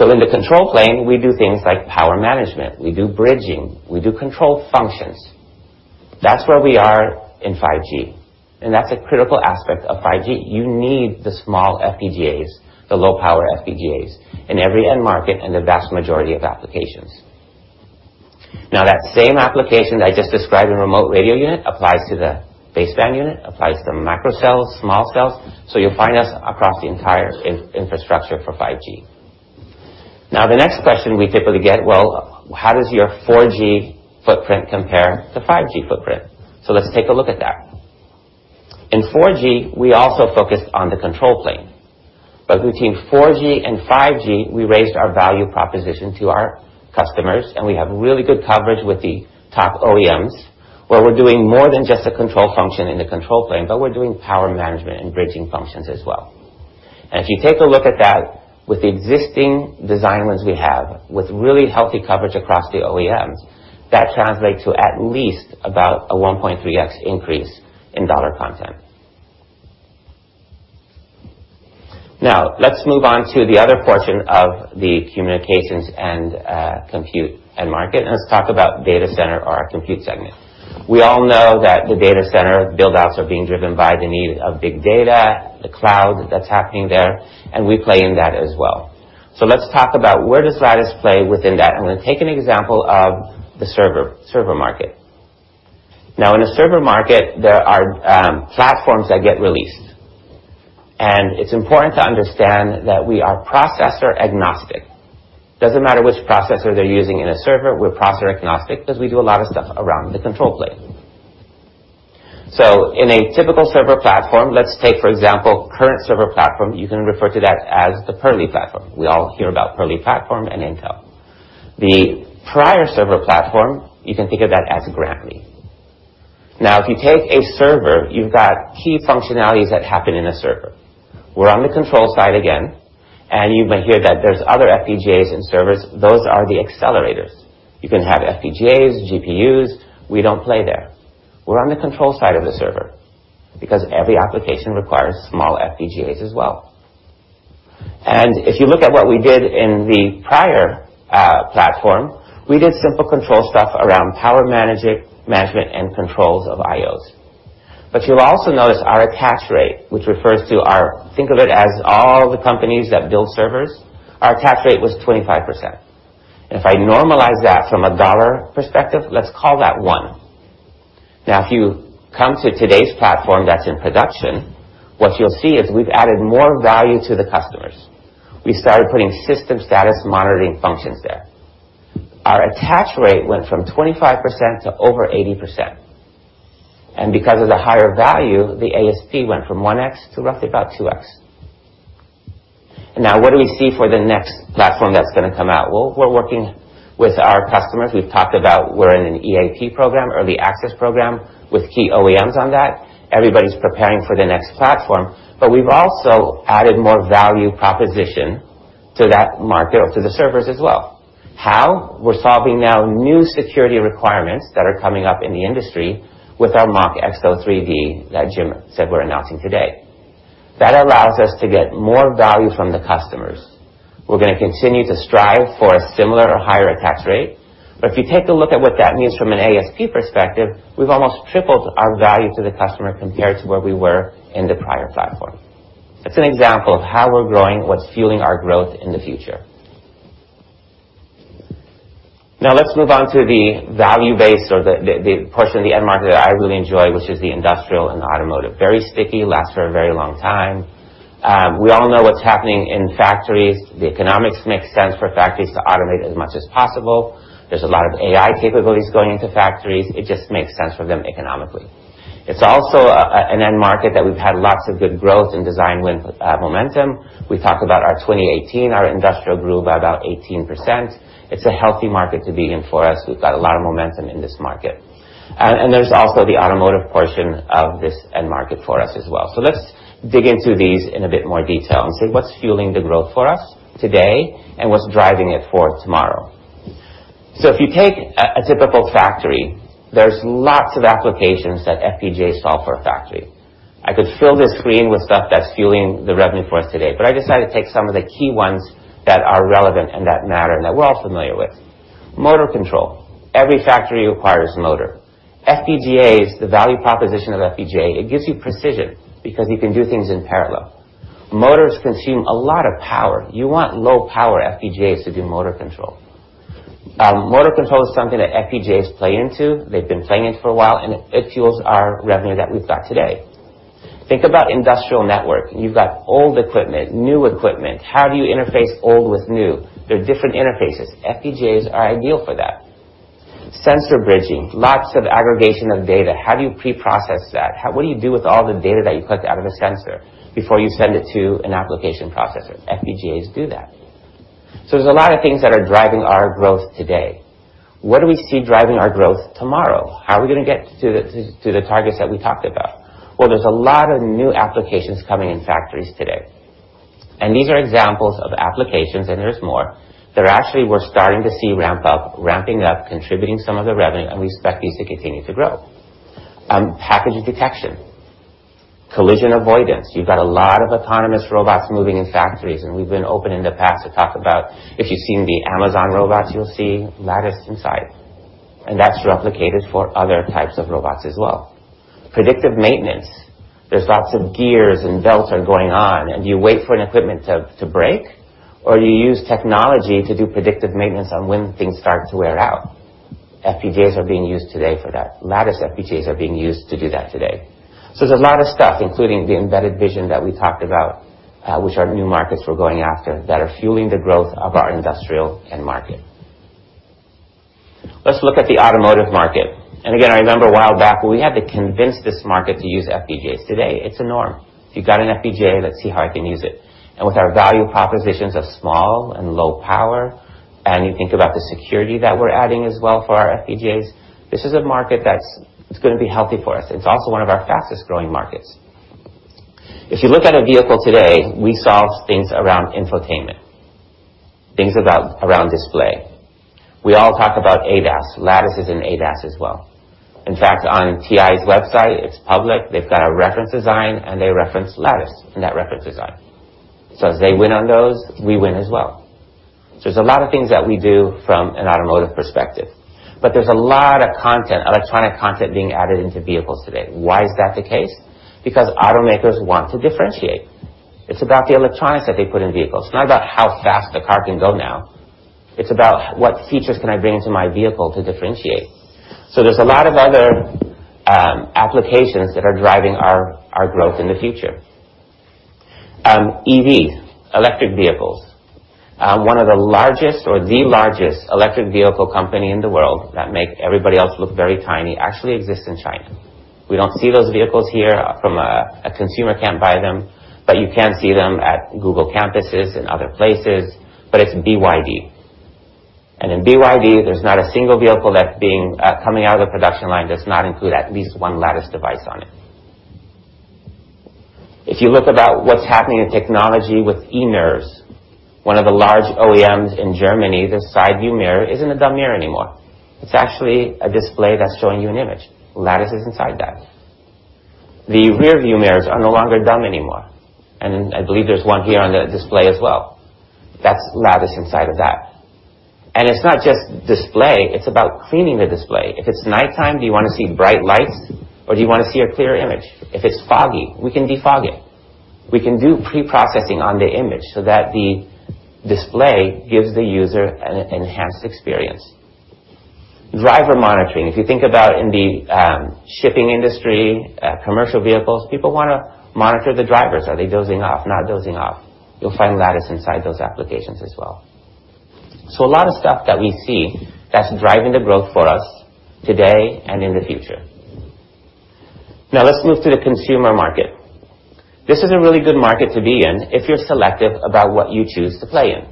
In the control plane, we do things like power management. We do bridging. We do control functions. That's where we are in 5G, and that's a critical aspect of 5G. You need the small FPGAs, the low-power FPGAs in every end market and the vast majority of applications. That same application that I just described in remote radio unit applies to the baseband unit, applies to the micro cells, small cells. You'll find us across the entire infrastructure for 5G. The next question we typically get, well, how does your 4G footprint compare to 5G footprint? Let's take a look at that. In 4G, we also focused on the control plane. Between 4G and 5G, we raised our value proposition to our customers, and we have really good coverage with the top OEMs, where we're doing more than just a control function in the control plane, but we're doing power management and bridging functions as well. If you take a look at that with the existing design wins we have, with really healthy coverage across the OEMs, that translates to at least about a 1.3x increase in $ content. Let's move on to the other portion of the communications and compute end market, and let's talk about data center or our compute segment. We all know that the data center build-outs are being driven by the need of big data, the cloud that's happening there, and we play in that as well. Let's talk about where does Lattice play within that, and I'm going to take an example of the server market. In a server market, there are platforms that get released. It's important to understand that we are processor agnostic. Doesn't matter which processor they're using in a server, we're processor agnostic because we do a lot of stuff around the control plane. In a typical server platform, let's take, for example, current server platform. You can refer to that as the Purley platform. We all hear about Purley platform and Intel. The prior server platform, you can think of that as Grantley. If you take a server, you've got key functionalities that happen in a server. We're on the control side again, and you might hear that there's other FPGAs in servers. Those are the accelerators. You can have FPGAs, GPUs. We don't play there. We're on the control side of the server because every application requires small FPGAs as well. If you look at what we did in the prior platform, we did simple control stuff around power management and controls of IOs. You'll also notice our attach rate, which refers to all the companies that build servers. Our attach rate was 25%. If I normalize that from a $ perspective, let's call that $1. If you come to today's platform that's in production, what you'll see is we've added more value to the customers. We started putting system status monitoring functions there. Our attach rate went from 25% to over 80%. Because of the higher value, the ASP went from 1x to roughly about 2x. What do we see for the next platform that's going to come out? We're working with our customers. We've talked about we're in an EAP program, early access program, with key OEMs on that. Everybody's preparing for the next platform. We've also added more value proposition to that market or to the servers as well. How? We're solving now new security requirements that are coming up in the industry with our MachXO3D that Jim said we're announcing today. That allows us to get more value from the customers. We're going to continue to strive for a similar or higher attach rate. If you take a look at what that means from an ASP perspective, we've almost tripled our value to the customer compared to where we were in the prior platform. That's an example of how we're growing, what's fueling our growth in the future. Let's move on to the value base or the portion of the end market that I really enjoy, which is the industrial and automotive. Very sticky, lasts for a very long time. We all know what's happening in factories. The economics makes sense for factories to automate as much as possible. There's a lot of AI capabilities going into factories. It just makes sense for them economically. It's also an end market that we've had lots of good growth and design win momentum. We talked about our 2018, our industrial grew by about 18%. It's a healthy market to be in for us. We've got a lot of momentum in this market. There's also the automotive portion of this end market for us as well. Let's dig into these in a bit more detail and see what's fueling the growth for us today and what's driving it for tomorrow. If you take a typical factory, there's lots of applications that FPGA solve for a factory. I could fill this screen with stuff that's fueling the revenue for us today. I decided to take some of the key ones that are relevant and that matter, and that we're all familiar with. Motor control. Every factory requires a motor. FPGAs, the value proposition of FPGA, it gives you precision because you can do things in parallel. Motors consume a lot of power. You want low power FPGAs to do motor control. Motor control is something that FPGAs play into. They've been playing into for a while, and it fuels our revenue that we've got today. Think about industrial network. You've got old equipment, new equipment. How do you interface old with new? They're different interfaces. FPGAs are ideal for that. Sensor bridging, lots of aggregation of data. How do you pre-process that? What do you do with all the data that you collect out of a sensor before you send it to an application processor? FPGAs do that. There's a lot of things that are driving our growth today. What do we see driving our growth tomorrow? How are we going to get to the targets that we talked about? There's a lot of new applications coming in factories today, and these are examples of applications, and there's more, that actually we're starting to see ramp up, ramping up, contributing some of the revenue, and we expect these to continue to grow. Package detection, collision avoidance. You've got a lot of autonomous robots moving in factories. We've been open in the past to talk about if you've seen the Amazon robots, you'll see Lattice inside, and that's replicated for other types of robots as well. Predictive maintenance. There's lots of gears and belts are going on. Do you wait for an equipment to break or you use technology to do predictive maintenance on when things start to wear out? FPGAs are being used today for that. Lattice FPGAs are being used to do that today. There's a lot of stuff, including the embedded vision that we talked about, which are new markets we're going after that are fueling the growth of our industrial end market. Let's look at the automotive market. Again, I remember a while back where we had to convince this market to use FPGAs. Today, it's a norm. If you've got an FPGA, let's see how I can use it. With our value propositions of small and low power, and you think about the security that we're adding as well for our FPGAs, this is a market that's going to be healthy for us. It's also one of our fastest-growing markets. If you look at a vehicle today, we solve things around infotainment, things around display. We all talk about ADAS. Lattice is in ADAS as well. In fact, on TI's website, it's public. They've got a reference design, and they reference Lattice in that reference design. As they win on those, we win as well. There's a lot of things that we do from an automotive perspective, but there's a lot of content, electronic content being added into vehicles today. Why is that the case? Because automakers want to differentiate. It's about the electronics that they put in vehicles, not about how fast the car can go now. It's about what features can I bring into my vehicle to differentiate. There's a lot of other applications that are driving our growth in the future. EVs, electric vehicles. One of the largest or the largest electric vehicle company in the world that make everybody else look very tiny actually exists in China. We don't see those vehicles here from a A consumer can't buy them. You can see them at Google campuses and other places. It's BYD. In BYD, there's not a single vehicle that coming out of the production line does not include at least one Lattice device on it. If you look about what's happening in technology with e-mirrors, one of the large OEMs in Germany, the side view mirror isn't a dumb mirror anymore. It's actually a display that's showing you an image. Lattice is inside that. The rear view mirrors are no longer dumb anymore. I believe there's one here on the display as well. That's Lattice inside of that. It's not just display, it's about cleaning the display. If it's nighttime, do you want to see bright lights or do you want to see a clear image? If it's foggy, we can defog it. We can do pre-processing on the image so that the display gives the user an enhanced experience. Driver monitoring. If you think about in the shipping industry, commercial vehicles, people want to monitor the drivers. Are they dozing off, not dozing off? You'll find Lattice inside those applications as well. A lot of stuff that we see that's driving the growth for us today and in the future. Let's move to the consumer market. This is a really good market to be in if you're selective about what you choose to play in.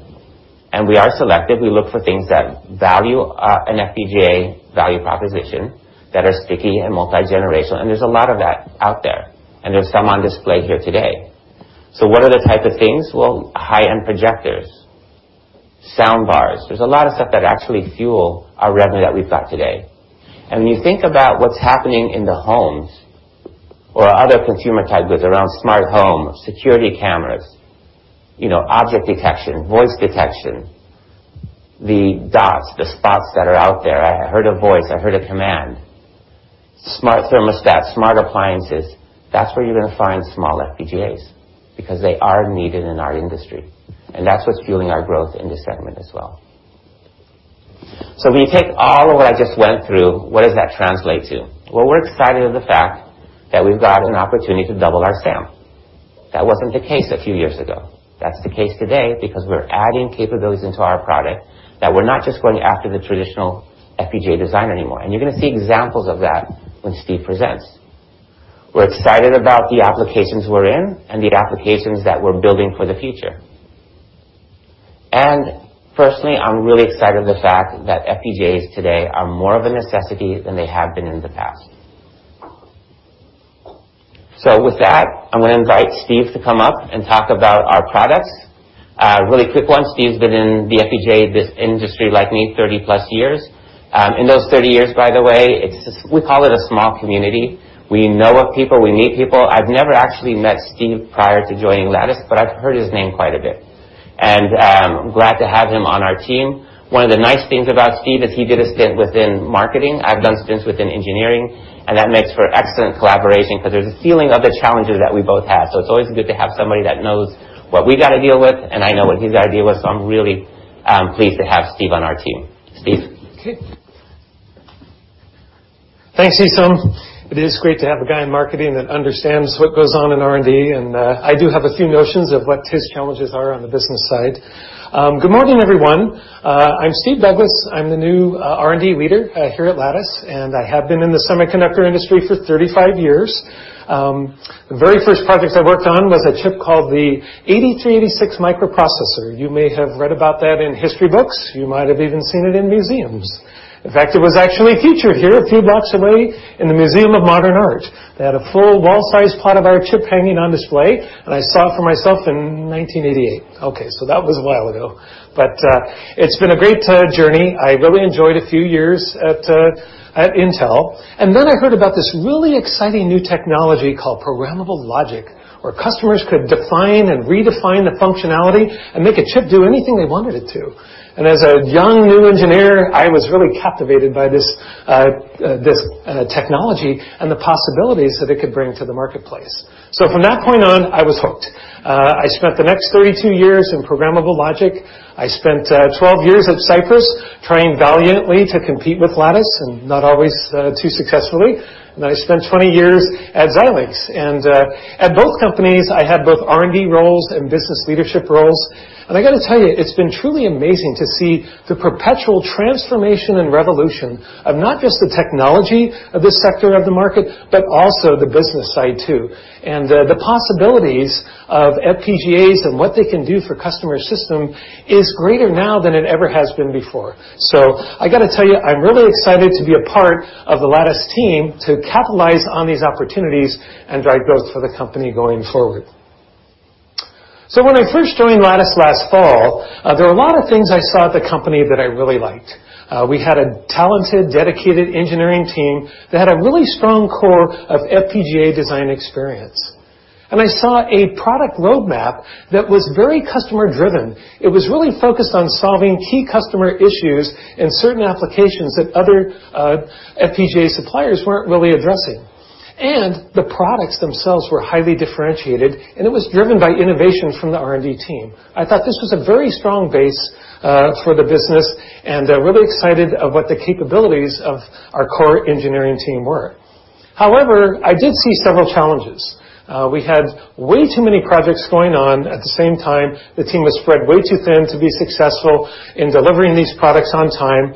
We are selective. We look for things that value an FPGA value proposition that are sticky and multi-generational, there's a lot of that out there's some on display here today. What are the type of things? Well, high-end projectors, soundbars. There's a lot of stuff that actually fuel our revenue that we've got today. When you think about what's happening in the homes or other consumer type goods around smart home, security cameras, object detection, voice detection, the dots, the spots that are out there. I heard a voice, I heard a command. Smart thermostats, smart appliances. That's where you're going to find small FPGAs because they are needed in our industry, that's what's fueling our growth in this segment as well. When you take all of what I just went through, what does that translate to? Well, we're excited of the fact that we've got an opportunity to double our SAM. That wasn't the case a few years ago. That's the case today because we're adding capabilities into our product that we're not just going after the traditional FPGA design anymore, you're going to see examples of that when Steve presents. We're excited about the applications we're in and the applications that we're building for the future. Personally, I'm really excited the fact that FPGAs today are more of a necessity than they have been in the past. With that, I'm going to invite Steve to come up and talk about our products. A really quick one. Steve's been in the FPGA, this industry like me, 30 plus years. In those 30 years, by the way, we call it a small community. We know of people. We meet people. I've never actually met Steve prior to joining Lattice, but I've heard his name quite a bit. I'm glad to have him on our team. One of the nice things about Steve is he did a stint within marketing. I've done stints within engineering, that makes for excellent collaboration because there's a feeling of the challenges that we both have. It's always good to have somebody that knows what we got to deal with, and I know what he's got to deal with. I'm really pleased to have Steve on our team. Steve? Okay. Thanks, Esam. It is great to have a guy in marketing that understands what goes on in R&D, I do have a few notions of what his challenges are on the business side. Good morning, everyone. I'm Steve Douglass. I'm the new R&D leader here at Lattice, I have been in the semiconductor industry for 35 years. The very first project I worked on was a chip called the 80386 microprocessor. You may have read about that in history books. You might have even seen it in museums. In fact, it was actually featured here a few blocks away in the Museum of Modern Art. They had a full wall-sized part of our chip hanging on display, I saw it for myself in 1988. That was a while ago, but it's been a great journey. I really enjoyed a few years at Intel. I heard about this really exciting new technology called programmable logic, where customers could define and redefine the functionality and make a chip do anything they wanted it to. As a young new engineer, I was really captivated by this technology and the possibilities that it could bring to the marketplace. From that point on, I was hooked. I spent the next 32 years in programmable logic. I spent 12 years at Cypress trying valiantly to compete with Lattice, not always too successfully. I spent 20 years at Xilinx, and at both companies, I had both R&D roles and business leadership roles. I got to tell you, it's been truly amazing to see the perpetual transformation and revolution of not just the technology of this sector of the market, but also the business side, too. The possibilities of FPGAs and what they can do for customer system is greater now than it ever has been before. I got to tell you, I'm really excited to be a part of the Lattice team to capitalize on these opportunities and drive growth for the company going forward. When I first joined Lattice last fall, there were a lot of things I saw at the company that I really liked. We had a talented, dedicated engineering team that had a really strong core of FPGA design experience. I saw a product roadmap that was very customer driven. It was really focused on solving key customer issues in certain applications that other FPGA suppliers weren't really addressing. The products themselves were highly differentiated, and it was driven by innovation from the R&D team. I thought this was a very strong base for the business and really excited of what the capabilities of our core engineering team were. However, I did see several challenges. We had way too many projects going on at the same time. The team was spread way too thin to be successful in delivering these products on time.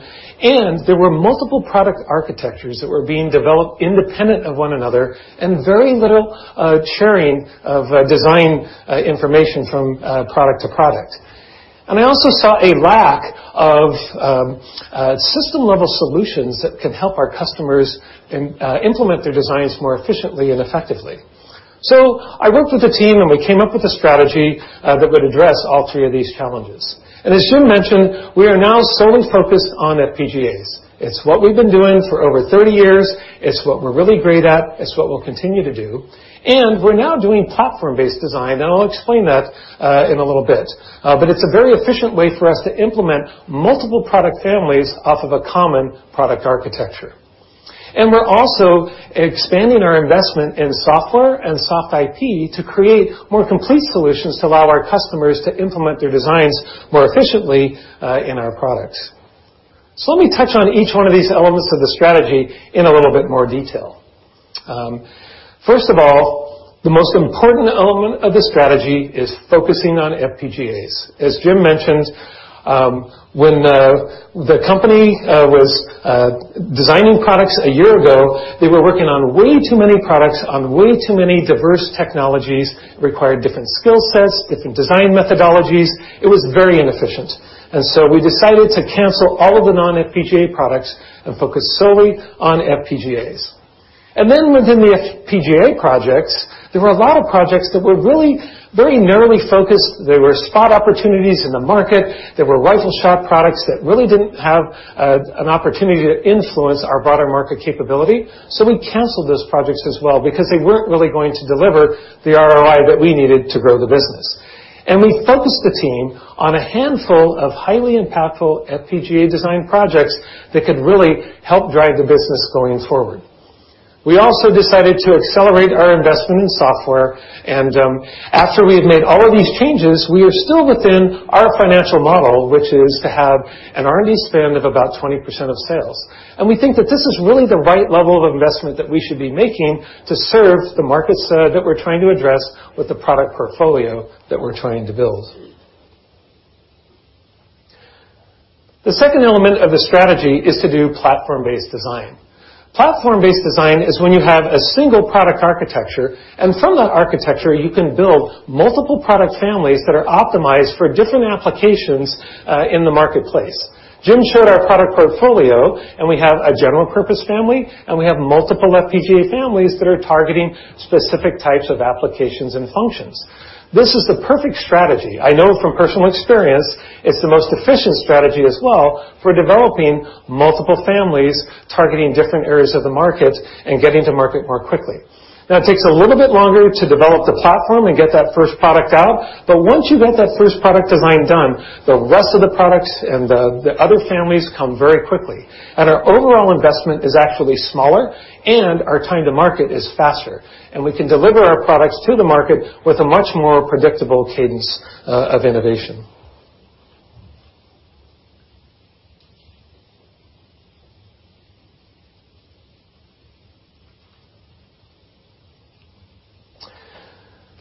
There were multiple product architectures that were being developed independent of one another and very little sharing of design information from product to product. I also saw a lack of system-level solutions that could help our customers implement their designs more efficiently and effectively. I worked with the team, and we came up with a strategy that would address all three of these challenges. As Jim mentioned, we are now solely focused on FPGAs. It's what we've been doing for over 30 years. It's what we're really great at. It's what we'll continue to do. We're now doing platform-based design, I'll explain that in a little bit. It's a very efficient way for us to implement multiple product families off of a common product architecture. We're also expanding our investment in software and soft IP to create more complete solutions to allow our customers to implement their designs more efficiently in our products. Let me touch on each one of these elements of the strategy in a little bit more detail. First of all, the most important element of the strategy is focusing on FPGAs. As Jim mentioned, when the company was designing products a year ago, they were working on way too many products on way too many diverse technologies, required different skill sets, different design methodologies. It was very inefficient. We decided to cancel all of the non-FPGA products and focus solely on FPGAs. Within the FPGA projects, there were a lot of projects that were really very narrowly focused. They were spot opportunities in the market. They were rifle shot products that really didn't have an opportunity to influence our broader market capability. We canceled those projects as well because they weren't really going to deliver the ROI that we needed to grow the business. We focused the team on a handful of highly impactful FPGA design projects that could really help drive the business going forward. We also decided to accelerate our investment in software, after we had made all of these changes, we are still within our financial model, which is to have an R&D spend of about 20% of sales. We think that this is really the right level of investment that we should be making to serve the markets that we're trying to address with the product portfolio that we're trying to build. The second element of the strategy is to do platform-based design. Platform-based design is when you have a single product architecture, from that architecture, you can build multiple product families that are optimized for different applications in the marketplace. Jim showed our product portfolio, we have a general purpose family, we have multiple FPGA families that are targeting specific types of applications and functions. This is the perfect strategy. I know from personal experience, it's the most efficient strategy as well for developing multiple families, targeting different areas of the market, and getting to market more quickly. It takes a little bit longer to develop the platform and get that first product out, once you get that first product design done, the rest of the products and the other families come very quickly. Our overall investment is actually smaller, our time to market is faster, and we can deliver our products to the market with a much more predictable cadence of innovation.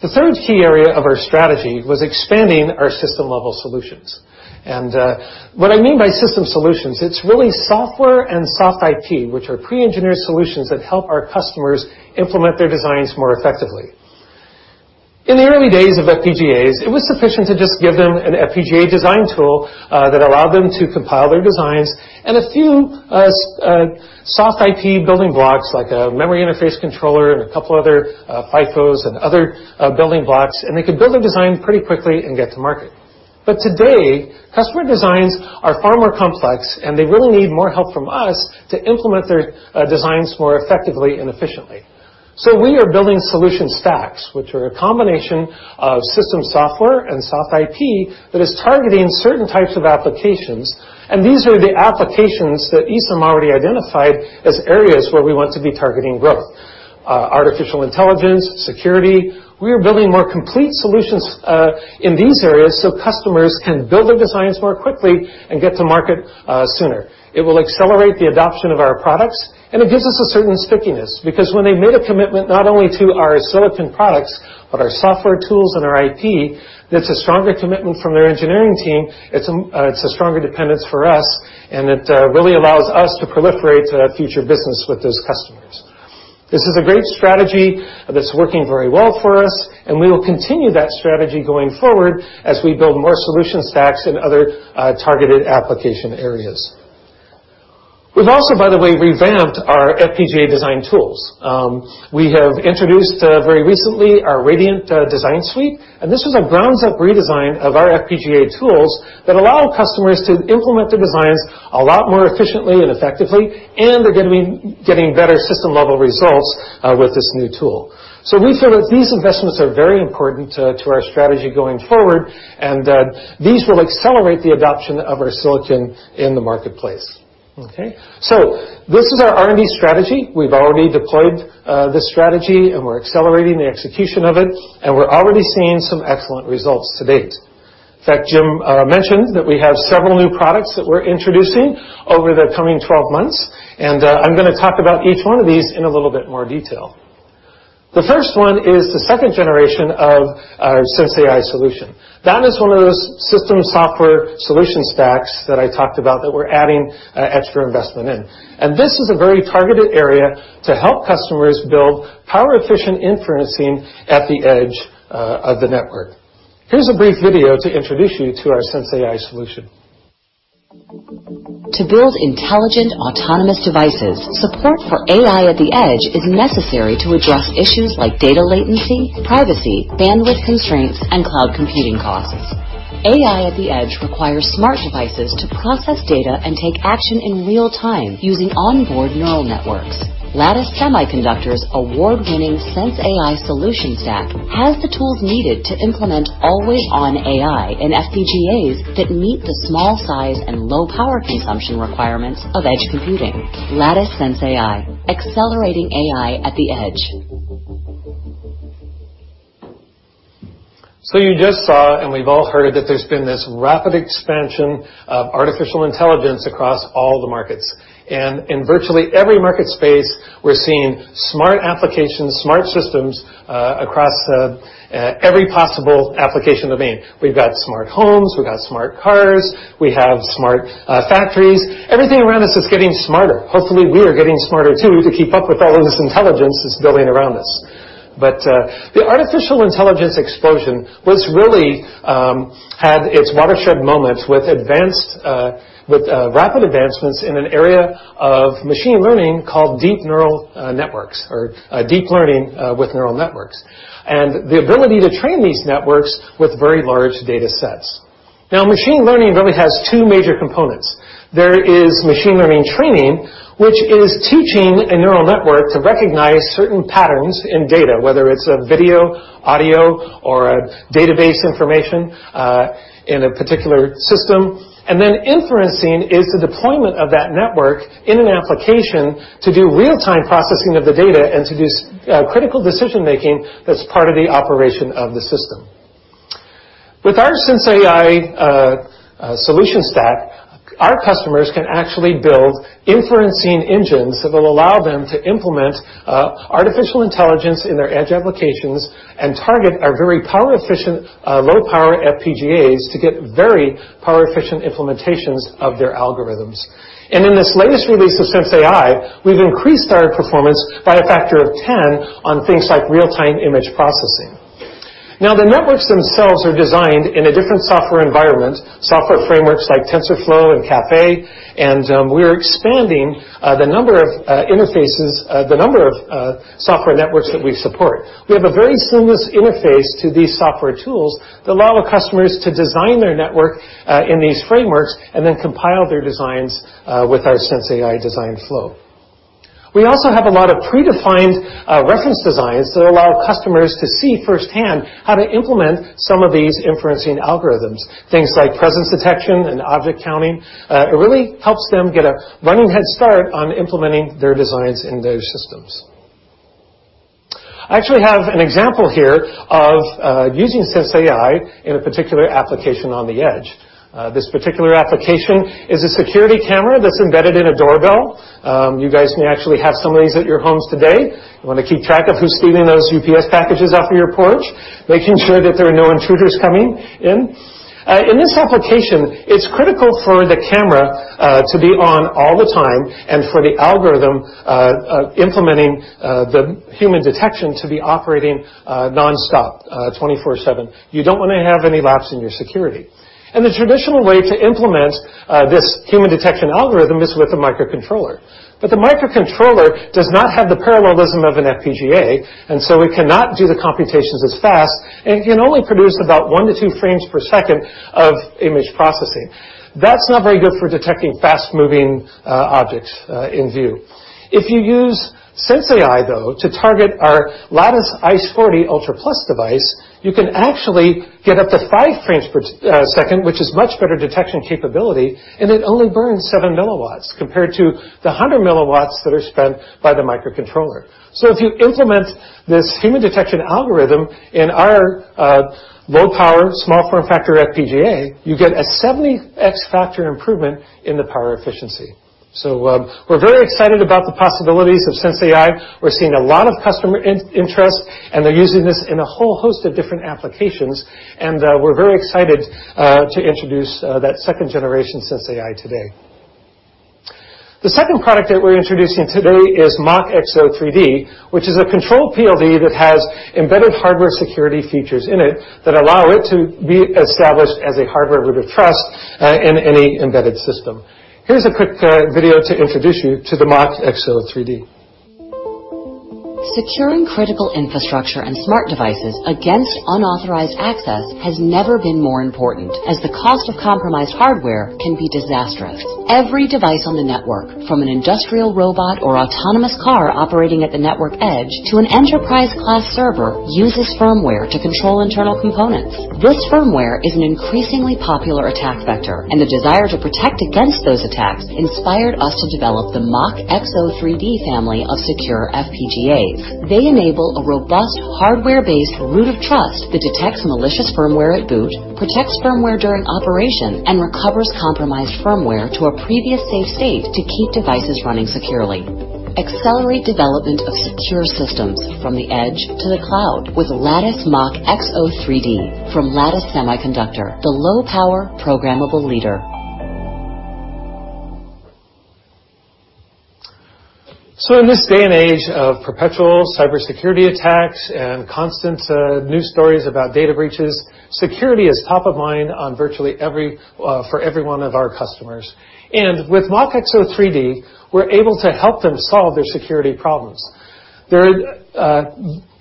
The third key area of our strategy was expanding our system-level solutions. What I mean by system solutions, it's really software and soft IP, which are pre-engineered solutions that help our customers implement their designs more effectively. In the early days of FPGAs, it was sufficient to just give them an FPGA design tool that allowed them to compile their designs, a few soft IP building blocks, like a memory interface controller and a couple other FIFOs and other building blocks. They could build a design pretty quickly and get to market. Today, customer designs are far more complex, they really need more help from us to implement their designs more effectively and efficiently. We are building solution stacks, which are a combination of system software and soft IP that is targeting certain types of applications. These are the applications that Esam already identified as areas where we want to be targeting growth. Artificial intelligence, security. We are building more complete solutions in these areas so customers can build their designs more quickly and get to market sooner. It will accelerate the adoption of our products, it gives us a certain stickiness, because when they made a commitment not only to our silicon products but our software tools and our IP, that's a stronger commitment from their engineering team. It's a stronger dependence for us, it really allows us to proliferate future business with those customers. This is a great strategy that's working very well for us, we will continue that strategy going forward as we build more solution stacks in other targeted application areas. We've also, by the way, revamped our FPGA design tools. We have introduced very recently our Radiant Design Suite, this was a grounds-up redesign of our FPGA tools that allow customers to implement their designs a lot more efficiently and effectively, they're going to be getting better system-level results with this new tool. We feel that these investments are very important to our strategy going forward, these will accelerate the adoption of our silicon in the marketplace. Okay? This is our R&D strategy. We've already deployed this strategy, we're accelerating the execution of it, we're already seeing some excellent results to date. In fact, Jim mentioned that we have several new products that we're introducing over the coming 12 months, I'm going to talk about each one of these in a little bit more detail. The first one is the second generation of our sensAI solution. That is one of those system software solution stacks that I talked about that we're adding extra investment in. This is a very targeted area to help customers build power-efficient inferencing at the edge of the network. Here's a brief video to introduce you to our sensAI solution. To build intelligent, autonomous devices, support for AI at the edge is necessary to address issues like data latency, privacy, bandwidth constraints, and cloud computing costs. AI at the edge requires smart devices to process data and take action in real time using onboard neural networks. Lattice Semiconductor's award-winning sensAI solution stack has the tools needed to implement always-on AI and FPGAs that meet the small size and low power consumption requirements of edge computing. Lattice sensAI, accelerating AI at the edge. You just saw, we've all heard, that there's been this rapid expansion of artificial intelligence across all the markets. In virtually every market space, we're seeing smart applications, smart systems, across every possible application domain. We've got smart homes, we've got smart cars, we have smart factories. Everything around us is getting smarter. Hopefully, we are getting smarter too, to keep up with all of this intelligence that's building around us. The artificial intelligence explosion really had its watershed moment with rapid advancements in an area of machine learning called deep neural networks, or deep learning with neural networks, and the ability to train these networks with very large data sets. Now, machine learning really has two major components. There is machine learning training, which is teaching a neural network to recognize certain patterns in data, whether it's a video, audio, or database information in a particular system. Then inferencing is the deployment of that network in an application to do real-time processing of the data and to do critical decision-making that's part of the operation of the system. With our sensAI solution stack, our customers can actually build inferencing engines that will allow them to implement artificial intelligence in their edge applications and target our very power-efficient, low-power FPGAs to get very power-efficient implementations of their algorithms. In this latest release of sensAI, we've increased our performance by a factor of 10 on things like real-time image processing. The networks themselves are designed in a different software environment, software frameworks like TensorFlow and Caffe, We are expanding the number of software networks that we support. We have a very seamless interface to these software tools that allow our customers to design their network in these frameworks Then compile their designs with our sensAI design flow. We also have a lot of predefined reference designs that allow customers to see firsthand how to implement some of these inferencing algorithms, things like presence detection and object counting. It really helps them get a running head start on implementing their designs in those systems. I actually have an example here of using sensAI in a particular application on the edge. This particular application is a security camera that's embedded in a doorbell. You guys may actually have some of these at your homes today. You want to keep track of who's stealing those UPS packages off of your porch, making sure that there are no intruders coming in. In this application, it's critical for the camera to be on all the time and for the algorithm implementing the human detection to be operating nonstop, twenty-four seven. You don't want to have any lapse in your security. The traditional way to implement this human detection algorithm is with a microcontroller. The microcontroller does not have the parallelism of an FPGA, It cannot do the computations as fast, and it can only produce about one to two frames per second of image processing. That's not very good for detecting fast-moving objects in view. If you use sensAI, though, to target our Lattice iCE40 UltraPlus device, you can actually get up to five frames per second, which is much better detection capability, and it only burns seven milliwatts compared to the 100 milliwatts that are spent by the microcontroller. If you implement this human detection algorithm in our low-power, small form factor FPGA, you get a 70x factor improvement in the power efficiency. We're very excited about the possibilities of sensAI. We're seeing a lot of customer interest, and they're using this in a whole host of different applications. We're very excited to introduce that second generation sensAI today. The second product that we're introducing today is MachXO3D, which is a controlled PLD that has embedded hardware security features in it that allow it to be established as a hardware root of trust in any embedded system. Here's a quick video to introduce you to the MachXO3D. Securing critical infrastructure and smart devices against unauthorized access has never been more important, as the cost of compromised hardware can be disastrous. Every device on the network, from an industrial robot or autonomous car operating at the network edge to an enterprise-class server, uses firmware to control internal components. This firmware is an increasingly popular attack vector, and the desire to protect against those attacks inspired us to develop the MachXO3D family of secure FPGAs. They enable a robust, hardware-based root of trust that detects malicious firmware at boot, protects firmware during operation, and recovers compromised firmware to a previous safe state to keep devices running securely. Accelerate development of secure systems from the edge to the cloud with Lattice MachXO3D from Lattice Semiconductor, the low power programmable leader. In this day and age of perpetual cybersecurity attacks and constant news stories about data breaches, security is top of mind for every one of our customers. With MachXO3D, we're able to help them solve their security problems. The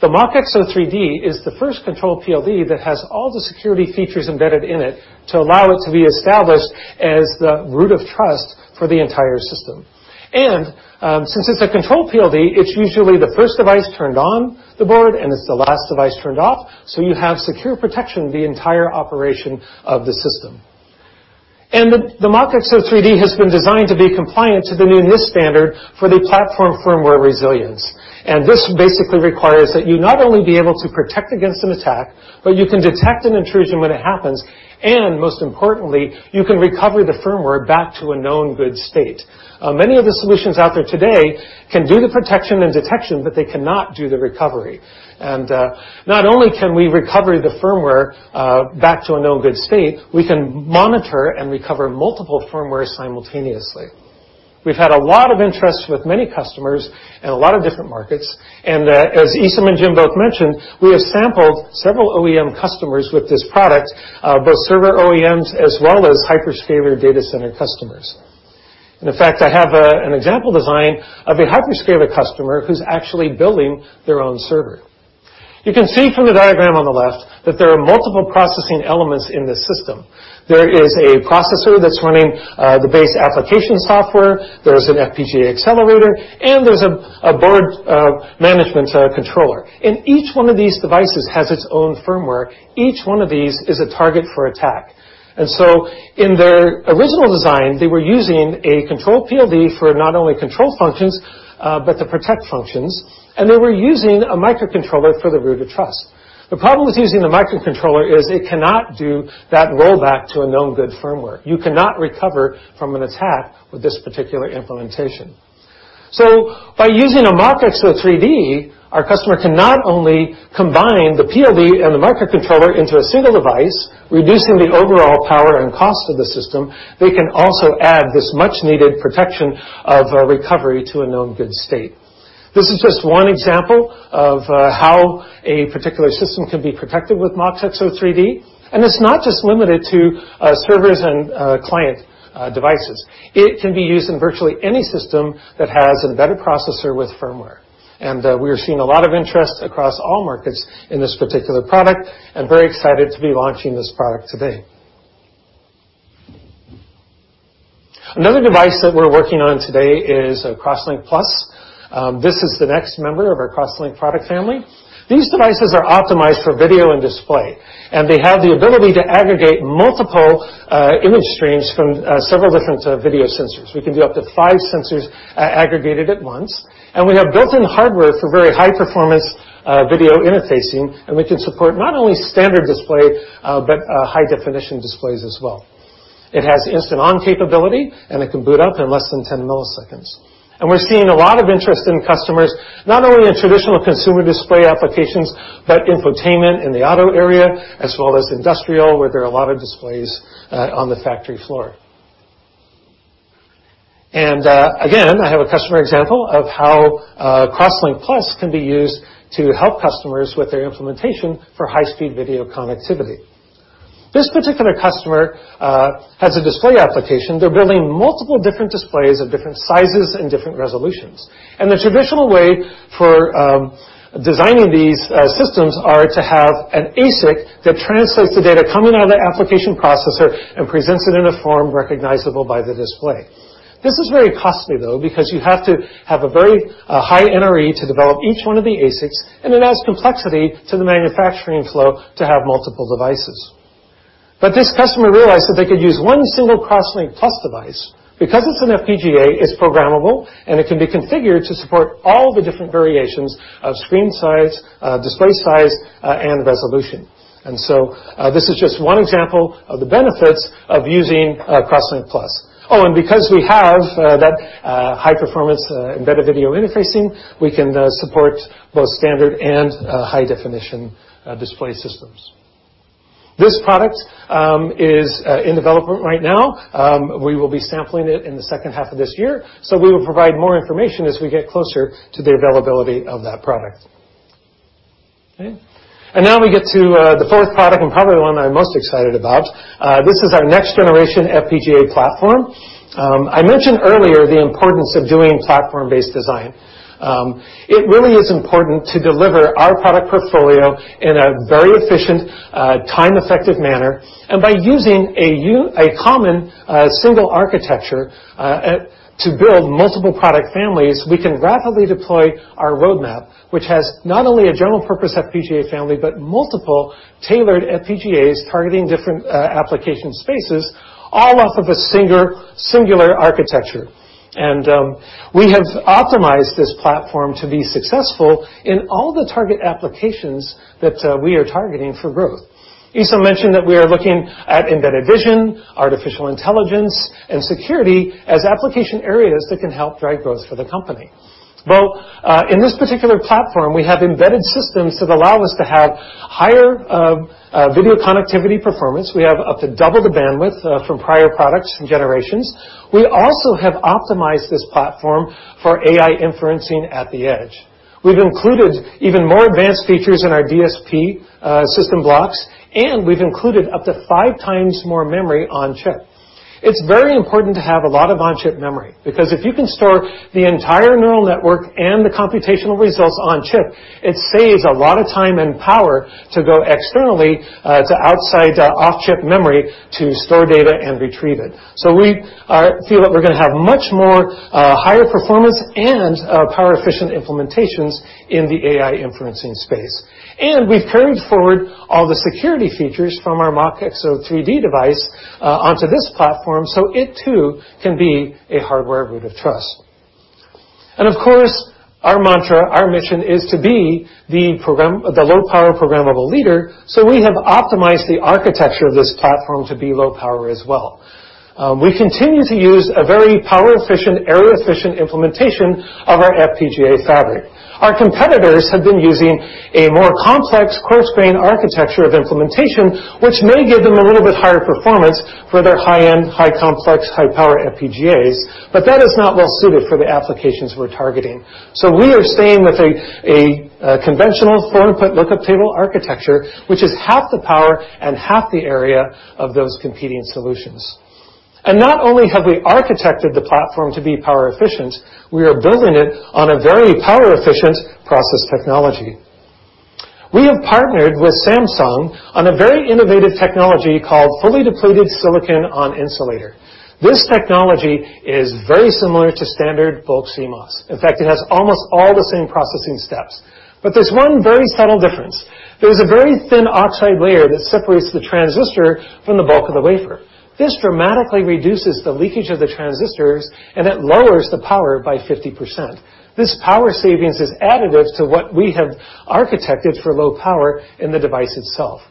MachXO3D is the first controlled PLD that has all the security features embedded in it to allow it to be established as the root of trust for the entire system. Since it's a controlled PLD, it's usually the first device turned on the board and it's the last device turned off, so you have secure protection the entire operation of the system. The MachXO3D has been designed to be compliant to the new NIST standard for the platform firmware resiliency. This basically requires that you not only be able to protect against an attack, but you can detect an intrusion when it happens, and most importantly, you can recover the firmware back to a known good state. Many of the solutions out there today can do the protection and detection, but they cannot do the recovery. Not only can we recover the firmware back to a known good state, we can monitor and recover multiple firmware simultaneously. We've had a lot of interest with many customers in a lot of different markets, and as Esam and Jim both mentioned, we have sampled several OEM customers with this product, both server OEMs as well as hyperscaler data center customers. In fact, I have an example design of a hyperscaler customer who's actually building their own server. You can see from the diagram on the left that there are multiple processing elements in this system. There is a processor that's running the base application software, there is an FPGA accelerator, and there's a board management controller. Each one of these devices has its own firmware. Each one of these is a target for attack. In their original design, they were using a control PLD for not only control functions, but the protect functions. They were using a microcontroller for the root of trust. The problem with using the microcontroller is it cannot do that rollback to a known good firmware. You cannot recover from an attack with this particular implementation. By using a MachXO3D, our customer can not only combine the PLD and the microcontroller into a single device, reducing the overall power and cost of the system, they can also add this much-needed protection of a recovery to a known good state. This is just one example of how a particular system can be protected with MachXO3D, and it's not just limited to servers and client devices. It can be used in virtually any system that has an embedded processor with firmware. We are seeing a lot of interest across all markets in this particular product and very excited to be launching this product today. Another device that we're working on today is CrossLinkPlus. This is the next member of our CrossLink product family. These devices are optimized for video and display, they have the ability to aggregate multiple image streams from several different video sensors. We can do up to five sensors aggregated at once, we have built-in hardware for very high-performance video interfacing. We can support not only standard display but high-definition displays as well. It has instant-on capability, it can boot up in less than 10 milliseconds. We're seeing a lot of interest in customers, not only in traditional consumer display applications, but infotainment in the auto area, as well as industrial, where there are a lot of displays on the factory floor. Again, I have a customer example of how CrossLinkPlus can be used to help customers with their implementation for high-speed video connectivity. This particular customer has a display application. They're building multiple different displays of different sizes and different resolutions. The traditional way for designing these systems are to have an ASIC that translates the data coming out of the application processor and presents it in a form recognizable by the display. This is very costly, though, because you have to have a very high NRE to develop each one of the ASICs, it adds complexity to the manufacturing flow to have multiple devices. This customer realized that they could use one single CrossLinkPlus device. Because it's an FPGA, it's programmable, it can be configured to support all the different variations of screen size, display size, and resolution. This is just one example of the benefits of using CrossLinkPlus. Because we have that high-performance embedded video interfacing, we can support both standard and high-definition display systems. This product is in development right now. We will be sampling it in the second half of this year. We will provide more information as we get closer to the availability of that product. Okay. Now we get to the fourth product, and probably the one I'm most excited about. This is our next-generation FPGA platform. I mentioned earlier the importance of doing platform-based design. It really is important to deliver our product portfolio in a very efficient, time-effective manner. By using a common single architecture to build multiple product families, we can rapidly deploy our roadmap, which has not only a general purpose FPGA family but multiple tailored FPGAs targeting different application spaces all off of a singular architecture. We have optimized this platform to be successful in all the target applications that we are targeting for growth. Isam mentioned that we are looking at embedded vision, artificial intelligence, and security as application areas that can help drive growth for the company. Well, in this particular platform, we have embedded systems that allow us to have higher video connectivity performance. We have up to double the bandwidth from prior products and generations. We also have optimized this platform for AI inferencing at the edge. We've included even more advanced features in our DSP system blocks, we've included up to five times more memory on chip. It's very important to have a lot of on-chip memory, because if you can store the entire neural network and the computational results on chip, it saves a lot of time and power to go externally to outside off-chip memory to store data and retrieve it. We feel that we're going to have much more higher performance and power-efficient implementations in the AI inferencing space. We've carried forward all the security features from our MachXO3D device onto this platform, so it too can be a hardware root of trust. Of course, our mantra, our mission, is to be the low-power programmable leader, we have optimized the architecture of this platform to be low power as well. We continue to use a very power-efficient, area-efficient implementation of our FPGA fabric. Our competitors have been using a more complex coarse-grain architecture of implementation, which may give them a little bit higher performance for their high-end, high complex, high-power FPGAs, that is not well suited for the applications we're targeting. We are staying with a conventional four-input lookup table architecture, which is half the power and half the area of those competing solutions. Not only have we architected the platform to be power efficient, we are building it on a very power-efficient process technology. We have partnered with Samsung on a very innovative technology called fully depleted silicon-on-insulator. This technology is very similar to standard bulk CMOS. In fact, it has almost all the same processing steps. There's one very subtle difference. There is a very thin oxide layer that separates the transistor from the bulk of the wafer. This dramatically reduces the leakage of the transistors, it lowers the power by 50%. This power savings is additive to what we have architected for low power in the device itself.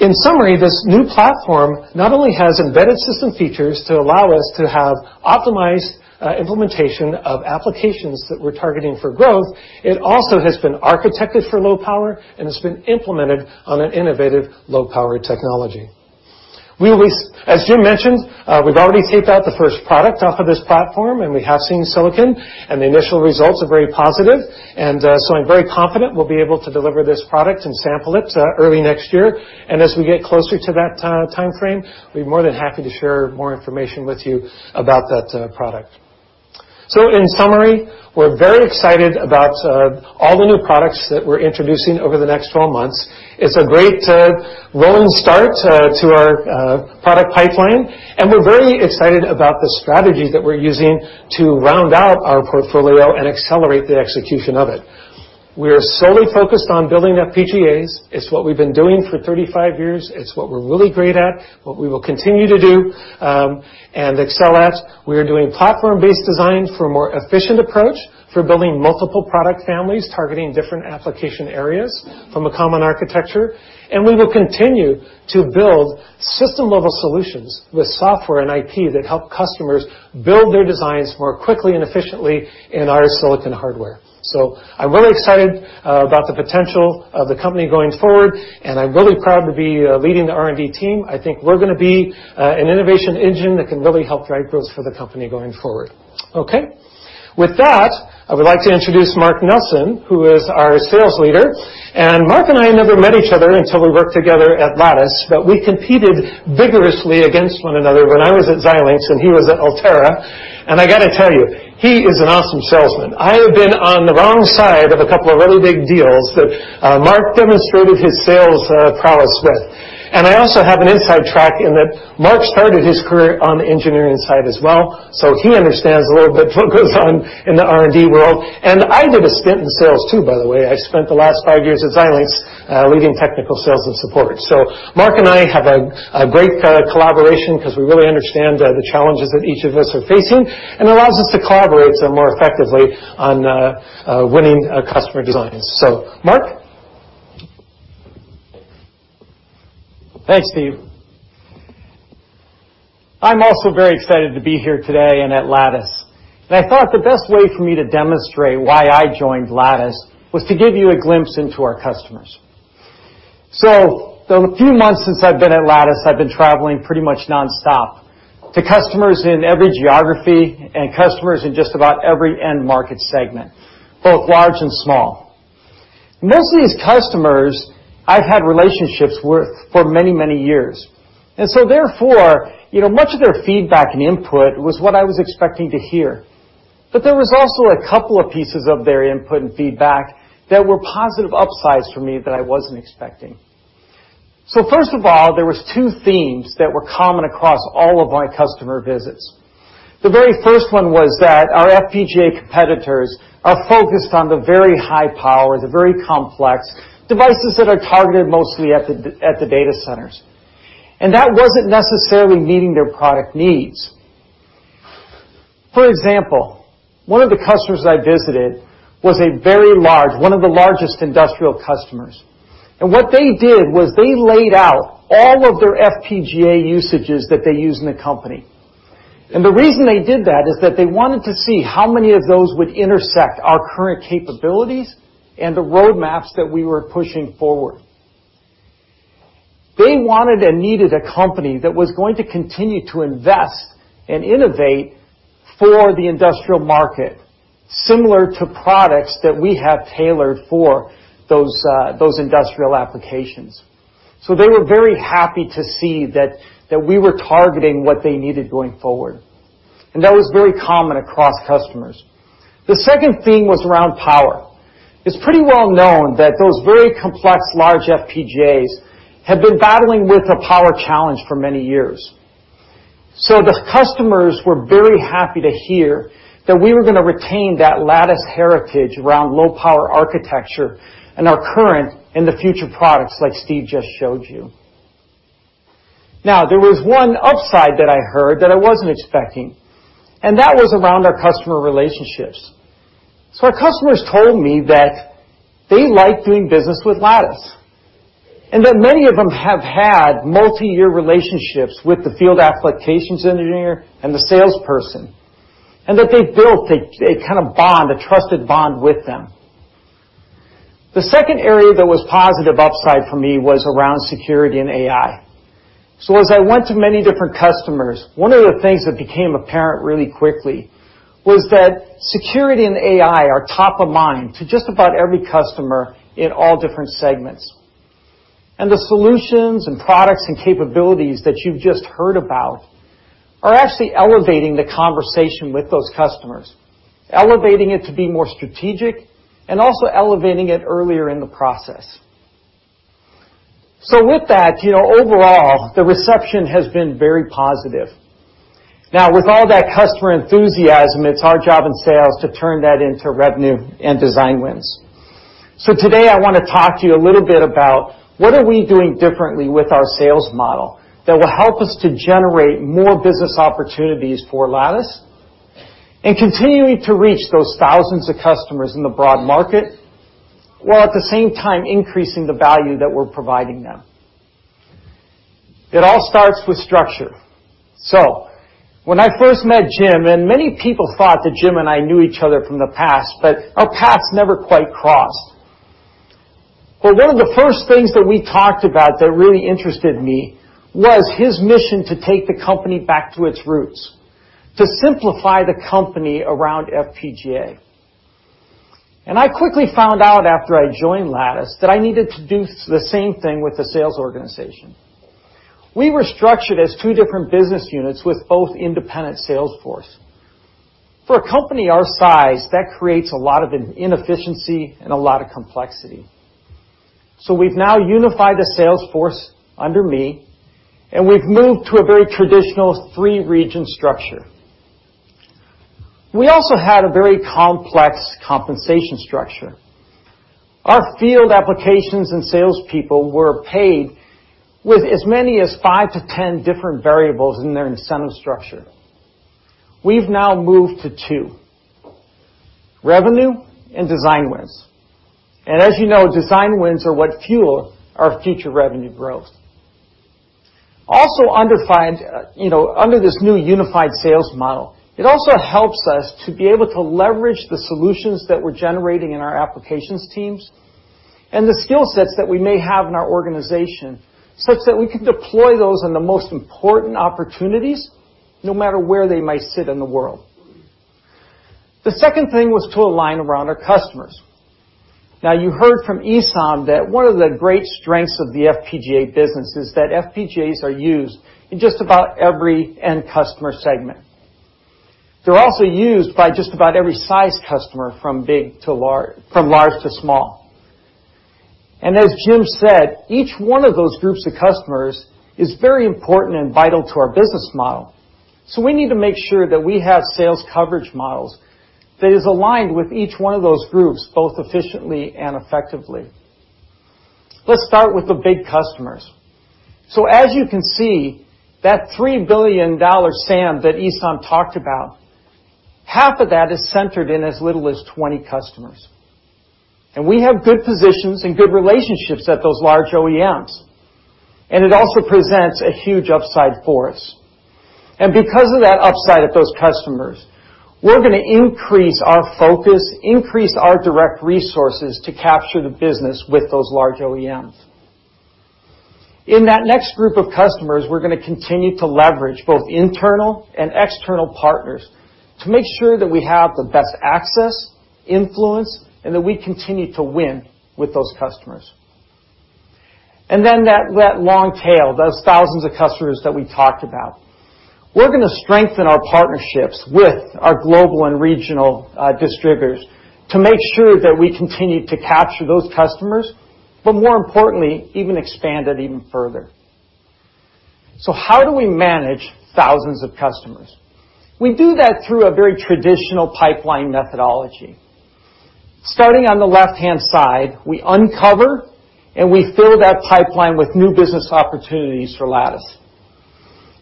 In summary, this new platform not only has embedded system features to allow us to have optimized implementation of applications that we're targeting for growth, it also has been architected for low power and has been implemented on an innovative low-power technology. As Jim mentioned, we've already taped out the first product off of this platform, and we have seen silicon, and the initial results are very positive. I'm very confident we'll be able to deliver this product and sample it early next year. As we get closer to that timeframe, we'd be more than happy to share more information with you about that product. In summary, we're very excited about all the new products that we're introducing over the next 12 months. It's a great rolling start to our product pipeline. We're very excited about the strategies that we're using to round out our portfolio and accelerate the execution of it. We are solely focused on building up FPGAs. It's what we've been doing for 35 years. It's what we're really great at, what we will continue to do, and excel at. We are doing platform-based design for a more efficient approach for building multiple product families, targeting different application areas from a common architecture. We will continue to build system-level solutions with software and IP that help customers build their designs more quickly and efficiently in our silicon hardware. I'm really excited about the potential of the company going forward, and I'm really proud to be leading the R&D team. I think we're going to be an innovation engine that can really help drive growth for the company going forward. Okay. With that, I would like to introduce Mark Nelson, who is our sales leader. Mark and I never met each other until we worked together at Lattice, but we competed vigorously against one another when I was at Xilinx and he was at Altera. I got to tell you, he is an awesome salesman. I have been on the wrong side of a couple of really big deals that Mark demonstrated his sales prowess with. I also have an inside track in that Mark started his career on the engineering side as well, so he understands a little bit what goes on in the R&D world. I did a stint in sales too, by the way. I spent the last five years at Xilinx, leading technical sales and support. Mark and I have a great collaboration because we really understand the challenges that each of us are facing and allows us to collaborate more effectively on winning customer designs. Mark. Thanks, Steve. I'm also very excited to be here today and at Lattice. I thought the best way for me to demonstrate why I joined Lattice was to give you a glimpse into our customers. The few months since I've been at Lattice, I've been traveling pretty much nonstop to customers in every geography and customers in just about every end market segment, both large and small. Most of these customers I've had relationships for many, many years, therefore, much of their feedback and input was what I was expecting to hear. There was also a couple of pieces of their input and feedback that were positive upsides for me that I wasn't expecting. First of all, there were two themes that were common across all of my customer visits. The very first one was that our FPGA competitors are focused on the very high power, the very complex devices that are targeted mostly at the data centers. That wasn't necessarily meeting their product needs. For example, one of the customers I visited was a very large, one of the largest industrial customers, and what they did was they laid out all of their FPGA usages that they use in the company. The reason they did that is that they wanted to see how many of those would intersect our current capabilities and the roadmaps that we were pushing forward. They wanted and needed a company that was going to continue to invest and innovate for the industrial market, similar to products that we have tailored for those industrial applications. They were very happy to see that we were targeting what they needed going forward. That was very common across customers. The second theme was around power. It's pretty well known that those very complex large FPGAs have been battling with a power challenge for many years. The customers were very happy to hear that we were going to retain that Lattice heritage around low power architecture in our current and the future products like Steve just showed you. There was one upside that I heard that I wasn't expecting, and that was around our customer relationships. Our customers told me that they like doing business with Lattice, and that many of them have had multiyear relationships with the field applications engineer and the salesperson, and that they built a kind of bond, a trusted bond with them. The second area that was positive upside for me was around security and AI. As I went to many different customers, one of the things that became apparent really quickly was that security and AI are top of mind to just about every customer in all different segments. The solutions and products and capabilities that you've just heard about are actually elevating the conversation with those customers, elevating it to be more strategic, and also elevating it earlier in the process. With that, overall, the reception has been very positive. With all that customer enthusiasm, it's our job in sales to turn that into revenue and design wins. Today, I want to talk to you a little bit about what are we doing differently with our sales model that will help us to generate more business opportunities for Lattice and continuing to reach those thousands of customers in the broad market, while at the same time increasing the value that we're providing them. It all starts with structure. When I first met Jim, and many people thought that Jim and I knew each other from the past, our paths never quite crossed. One of the first things that we talked about that really interested me was his mission to take the company back to its roots, to simplify the company around FPGA. And I quickly found out after I joined Lattice that I needed to do the same thing with the sales organization. We were structured as two different business units with both independent sales force. For a company our size, that creates a lot of inefficiency and a lot of complexity. We've now unified the sales force under me, and we've moved to a very traditional three-region structure. We also had a very complex compensation structure. Our field applications and salespeople were paid with as many as 5 to 10 different variables in their incentive structure. We've now moved to two, revenue and design wins. As you know, design wins are what fuel our future revenue growth. Also under this new unified sales model, it also helps us to be able to leverage the solutions that we're generating in our applications teams and the skill sets that we may have in our organization, such that we can deploy those on the most important opportunities, no matter where they might sit in the world. The second thing was to align around our customers. Now, you heard from Esam that one of the great strengths of the FPGA business is that FPGAs are used in just about every end customer segment. They're also used by just about every size customer from large to small. As Jim said, each one of those groups of customers is very important and vital to our business model. We need to make sure that we have sales coverage models that is aligned with each one of those groups, both efficiently and effectively. Let's start with the big customers. As you can see, that $3 billion SAM that Esam talked about, half of that is centered in as little as 20 customers, and we have good positions and good relationships at those large OEMs. It also presents a huge upside for us. Because of that upside at those customers, we're going to increase our focus, increase our direct resources to capture the business with those large OEMs. In that next group of customers, we're going to continue to leverage both internal and external partners to make sure that we have the best access, influence, and that we continue to win with those customers. Then that long tail, those thousands of customers that we talked about. We're going to strengthen our partnerships with our global and regional distributors to make sure that we continue to capture those customers, but more importantly, even expand it even further. How do we manage thousands of customers? We do that through a very traditional pipeline methodology. Starting on the left-hand side, we uncover and we fill that pipeline with new business opportunities for Lattice.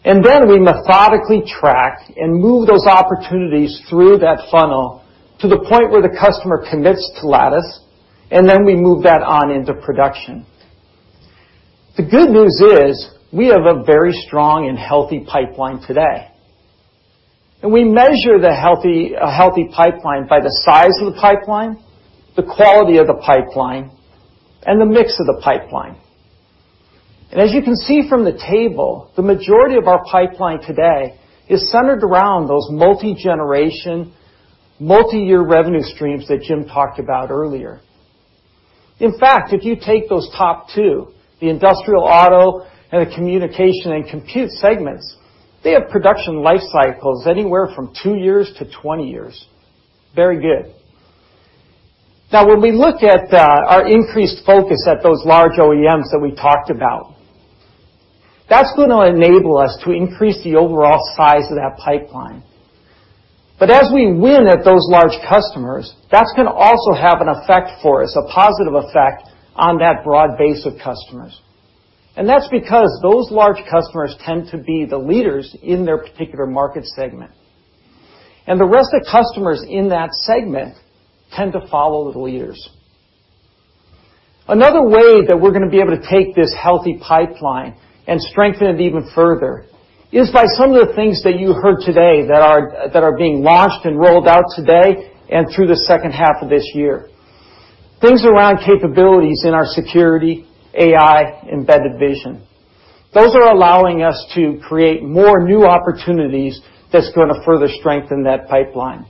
Then we methodically track and move those opportunities through that funnel to the point where the customer commits to Lattice, and then we move that on into production. The good news is we have a very strong and healthy pipeline today, and we measure a healthy pipeline by the size of the pipeline, the quality of the pipeline, and the mix of the pipeline. As you can see from the table, the majority of our pipeline today is centered around those multi-generation, multi-year revenue streams that Jim talked about earlier. In fact, if you take those top two, the industrial auto and the communication and compute segments, they have production life cycles anywhere from two years to 20 years. Very good. When we look at our increased focus at those large OEMs that we talked about, that's going to enable us to increase the overall size of that pipeline. As we win at those large customers, that's going to also have an effect for us, a positive effect on that broad base of customers. That's because those large customers tend to be the leaders in their particular market segment, and the rest of the customers in that segment tend to follow the leaders. Another way that we're going to be able to take this healthy pipeline and strengthen it even further is by some of the things that you heard today that are being launched and rolled out today and through the second half of this year. Things around capabilities in our security, AI, embedded vision. Those are allowing us to create more new opportunities that's going to further strengthen that pipeline.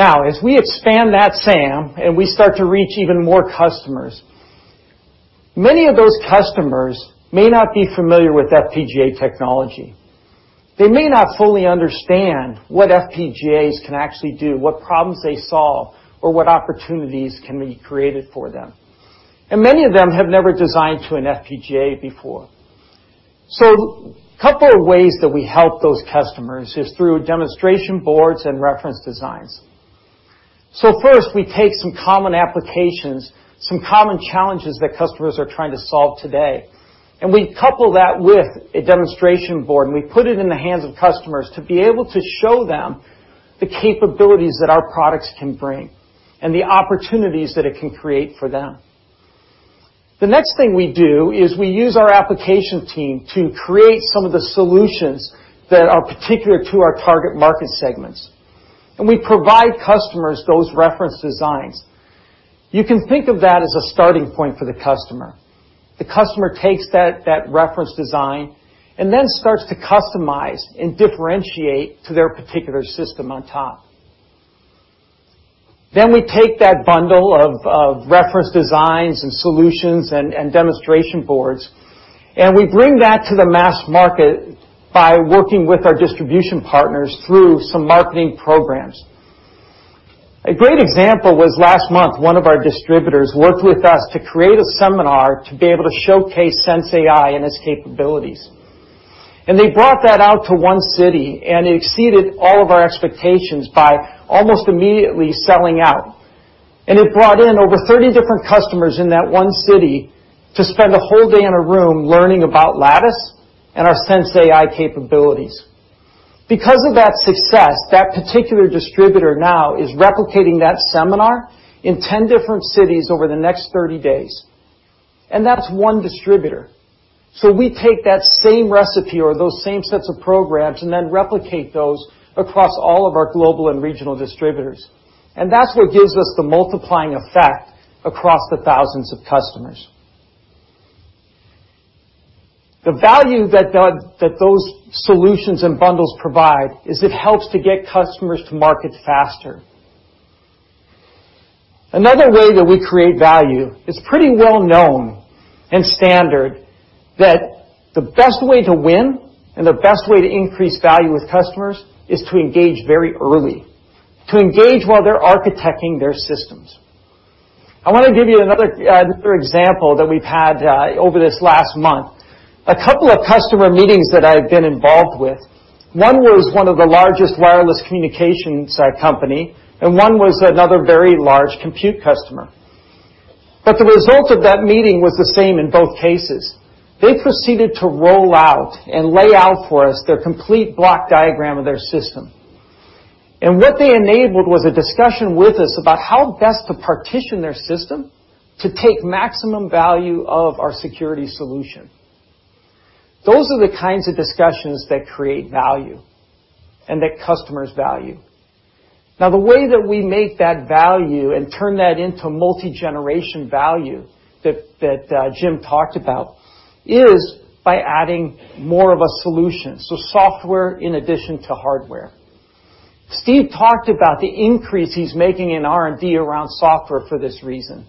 As we expand that SAM and we start to reach even more customers, many of those customers may not be familiar with FPGA technology. They may not fully understand what FPGAs can actually do, what problems they solve, or what opportunities can be created for them. Many of them have never designed to an FPGA before. A couple of ways that we help those customers is through demonstration boards and reference designs. First, we take some common applications, some common challenges that customers are trying to solve today, and we couple that with a demonstration board, and we put it in the hands of customers to be able to show them the capabilities that our products can bring and the opportunities that it can create for them. The next thing we do is we use our application team to create some of the solutions that are particular to our target market segments, and we provide customers those reference designs. You can think of that as a starting point for the customer. The customer takes that reference design and then starts to customize and differentiate to their particular system on top. We take that bundle of reference designs and solutions and demonstration boards, and we bring that to the mass market by working with our distribution partners through some marketing programs. A great example was last month, one of our distributors worked with us to create a seminar to be able to showcase sensAI and its capabilities. They brought that out to one city, and it exceeded all of our expectations by almost immediately selling out. It brought in over 30 different customers in that one city to spend a whole day in a room learning about Lattice and our sensAI capabilities. Because of that success, that particular distributor now is replicating that seminar in 10 different cities over the next 30 days, and that's one distributor. We take that same recipe or those same sets of programs and then replicate those across all of our global and regional distributors. That's what gives us the multiplying effect across the thousands of customers. The value that those solutions and bundles provide is it helps to get customers to market faster. Another way that we create value is pretty well-known and standard, that the best way to win and the best way to increase value with customers is to engage very early, to engage while they're architecting their systems. I want to give you another example that we've had over this last month. A couple of customer meetings that I've been involved with. One was one of the largest wireless communications company, and one was another very large compute customer. The result of that meeting was the same in both cases. They proceeded to roll out and lay out for us their complete block diagram of their system. And what they enabled was a discussion with us about how best to partition their system to take maximum value of our security solution. Those are the kinds of discussions that create value and that customers value. The way that we make that value and turn that into multi-generation value that Jim talked about is by adding more of a solution. Software in addition to hardware. Steve talked about the increase he's making in R&D around software for this reason.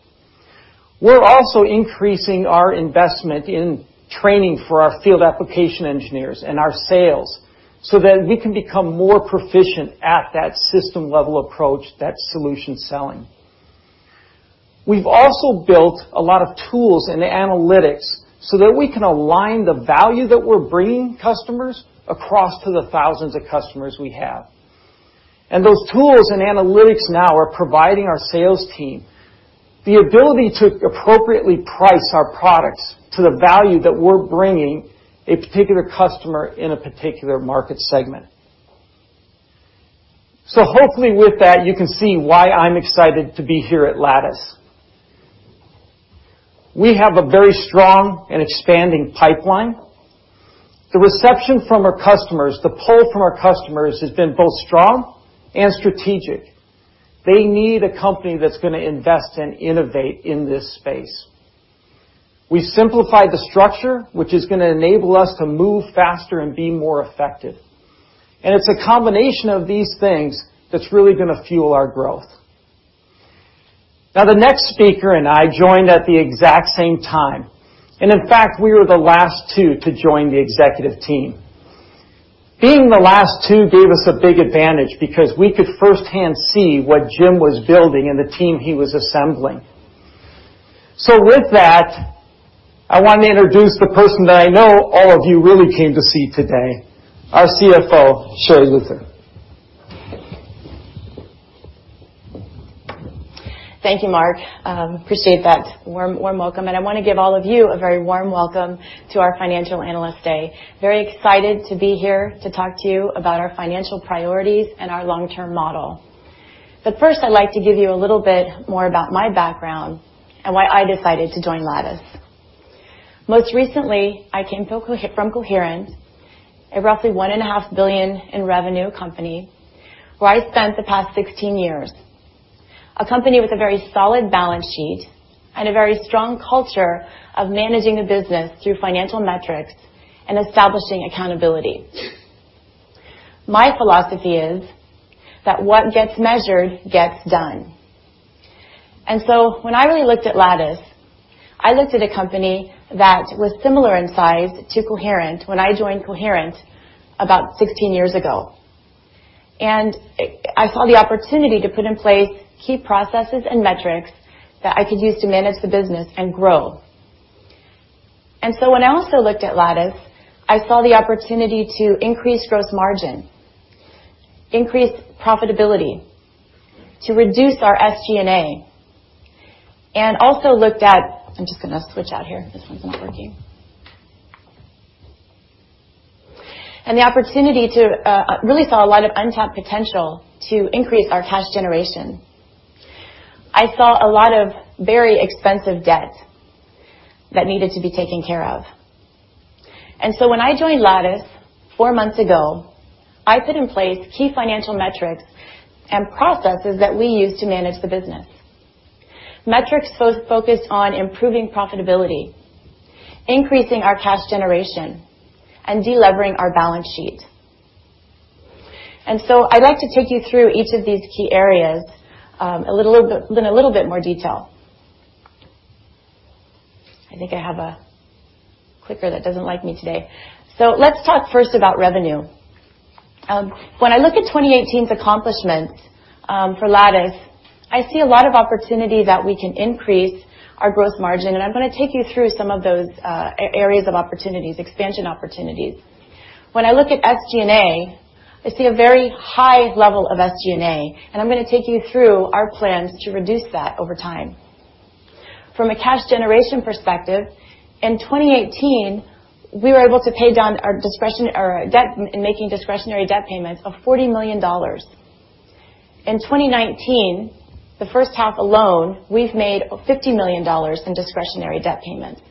We're also increasing our investment in training for our field application engineers and our sales so that we can become more proficient at that system-level approach, that solution selling. We've also built a lot of tools and analytics so that we can align the value that we're bringing customers across to the thousands of customers we have. Those tools and analytics now are providing our sales team the ability to appropriately price our products to the value that we're bringing a particular customer in a particular market segment. Hopefully with that, you can see why I'm excited to be here at Lattice. We have a very strong and expanding pipeline. The reception from our customers, the pull from our customers has been both strong and strategic. They need a company that's going to invest and innovate in this space. We simplified the structure, which is going to enable us to move faster and be more effective. And it's a combination of these things that's really going to fuel our growth. The next speaker and I joined at the exact same time. In fact, we were the last two to join the executive team. Being the last two gave us a big advantage because we could firsthand see what Jim was building and the team he was assembling. With that, I want to introduce the person that I know all of you really came to see today, our CFO, Sherri Luther. Thank you, Mark. Appreciate that warm welcome, I want to give all of you a very warm welcome to our Financial Analyst Day. Very excited to be here to talk to you about our financial priorities and our long-term model. First, I'd like to give you a little bit more about my background and why I decided to join Lattice. Most recently, I came from Coherent, a roughly one and a half billion in revenue company, where I spent the past 16 years. A company with a very solid balance sheet and a very strong culture of managing a business through financial metrics and establishing accountability. My philosophy is that what gets measured gets done. When I really looked at Lattice, I looked at a company that was similar in size to Coherent when I joined Coherent about 16 years ago. I saw the opportunity to put in place key processes and metrics that I could use to manage the business and grow. When I also looked at Lattice, I saw the opportunity to increase gross margin, increase profitability, to reduce our SG&A, and the opportunity to really saw a lot of untapped potential to increase our cash generation. I'm just going to switch out here. This one's not working. I saw a lot of very expensive debt that needed to be taken care of. When I joined Lattice four months ago, I put in place key financial metrics and processes that we use to manage the business. Metrics focused on improving profitability, increasing our cash generation, and de-levering our balance sheet. I'd like to take you through each of these key areas in a little bit more detail. I think I have a clicker that doesn't like me today. Let's talk first about revenue. When I look at 2018's accomplishments for Lattice, I see a lot of opportunity that we can increase our gross margin, I'm going to take you through some of those areas of expansion opportunities. When I look at SG&A, I see a very high level of SG&A, I'm going to take you through our plans to reduce that over time. From a cash generation perspective, in 2018, we were able to pay down our debt in making discretionary debt payments of $40 million. In 2019, the first half alone, we've made $50 million in discretionary debt payments.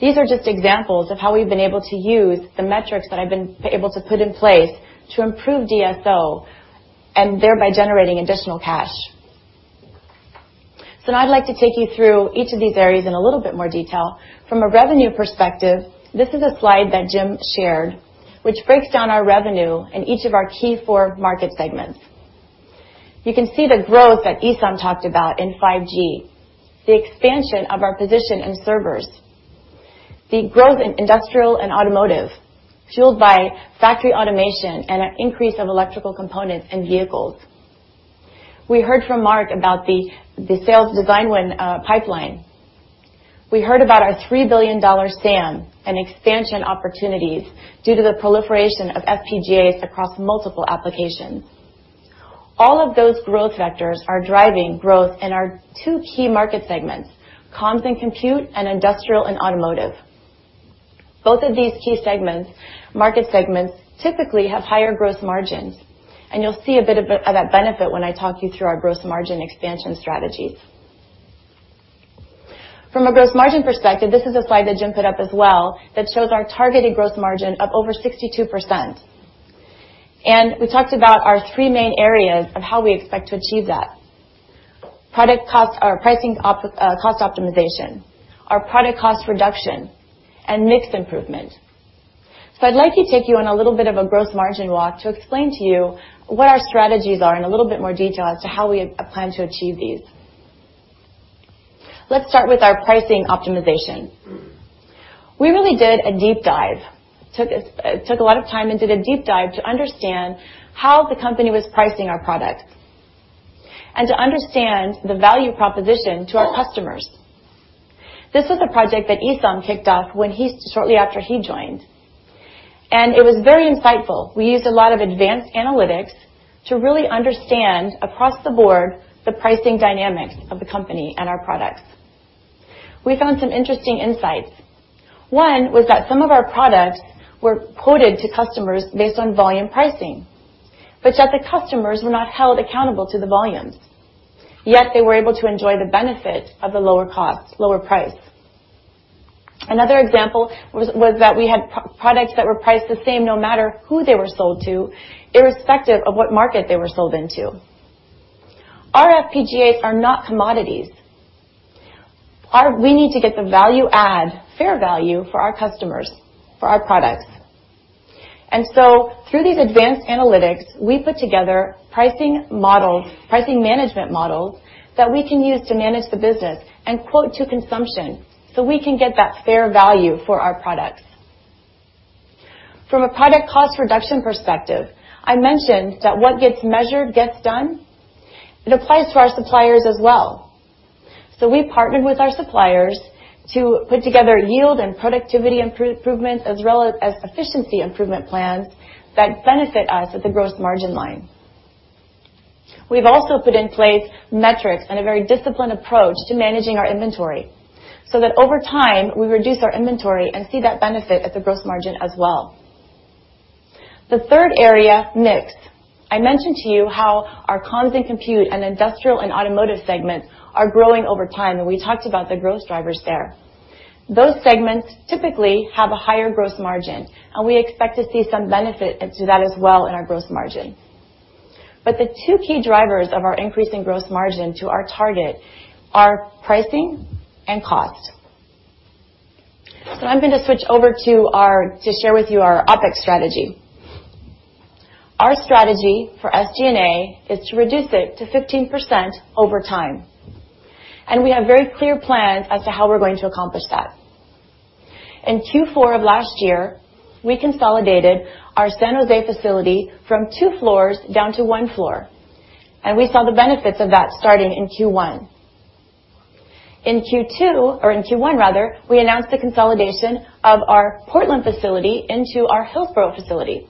These are just examples of how we've been able to use the metrics that I've been able to put in place to improve DSO and thereby generating additional cash. I'd like to take you through each of these areas in a little bit more detail. From a revenue perspective, this is a slide that Jim shared, which breaks down our revenue in each of our key four market segments. You can see the growth that Esam talked about in 5G, the expansion of our position in servers, the growth in industrial and automotive, fueled by factory automation and an increase of electrical components in vehicles. We heard from Mark about the sales design win pipeline. We heard about our $3 billion SAM and expansion opportunities due to the proliferation of FPGAs across multiple applications. All of those growth vectors are driving growth in our two key market segments, comms and compute, and industrial and automotive. Both of these key market segments typically have higher gross margins, and you'll see a bit of that benefit when I talk you through our gross margin expansion strategies. From a gross margin perspective, this is a slide that Jim put up as well that shows our targeted gross margin of over 62%. We talked about our three main areas of how we expect to achieve that. Pricing cost optimization, our product cost reduction, and mix improvement. I'd like to take you on a little bit of a gross margin walk to explain to you what our strategies are in a little bit more detail as to how we plan to achieve these. Let's start with our pricing optimization. We really did a deep dive, took a lot of time and did a deep dive to understand how the company was pricing our product and to understand the value proposition to our customers. This was a project that Esam kicked off shortly after he joined. It was very insightful. We used a lot of advanced analytics to really understand, across the board, the pricing dynamics of the company and our products. We found some interesting insights. One was that some of our products were quoted to customers based on volume pricing, but yet the customers were not held accountable to the volumes, yet they were able to enjoy the benefit of the lower price. Another example was that we had products that were priced the same no matter who they were sold to, irrespective of what market they were sold into. Our FPGAs are not commodities. We need to get the value add, fair value for our customers, for our products. Through these advanced analytics, we put together pricing management models that we can use to manage the business and quote to consumption, so we can get that fair value for our products. From a product cost reduction perspective, I mentioned that what gets measured gets done. It applies to our suppliers as well. We partnered with our suppliers to put together yield and productivity improvements as well as efficiency improvement plans that benefit us at the gross margin line. We've also put in place metrics and a very disciplined approach to managing our inventory, so that over time, we reduce our inventory and see that benefit at the gross margin as well. The third area, mix. I mentioned to you how our comms and compute and industrial and automotive segments are growing over time, and we talked about the growth drivers there. Those segments typically have a higher gross margin, and we expect to see some benefit to that as well in our gross margin. The two key drivers of our increasing gross margin to our target are pricing and cost. I'm going to switch over to share with you our OPEX strategy. Our strategy for SG&A is to reduce it to 15% over time, and we have very clear plans as to how we're going to accomplish that. In Q4 of last year, we consolidated our San Jose facility from two floors down to one floor, and we saw the benefits of that starting in Q1. In Q2, or in Q1 rather, we announced the consolidation of our Portland facility into our Hillsboro facility.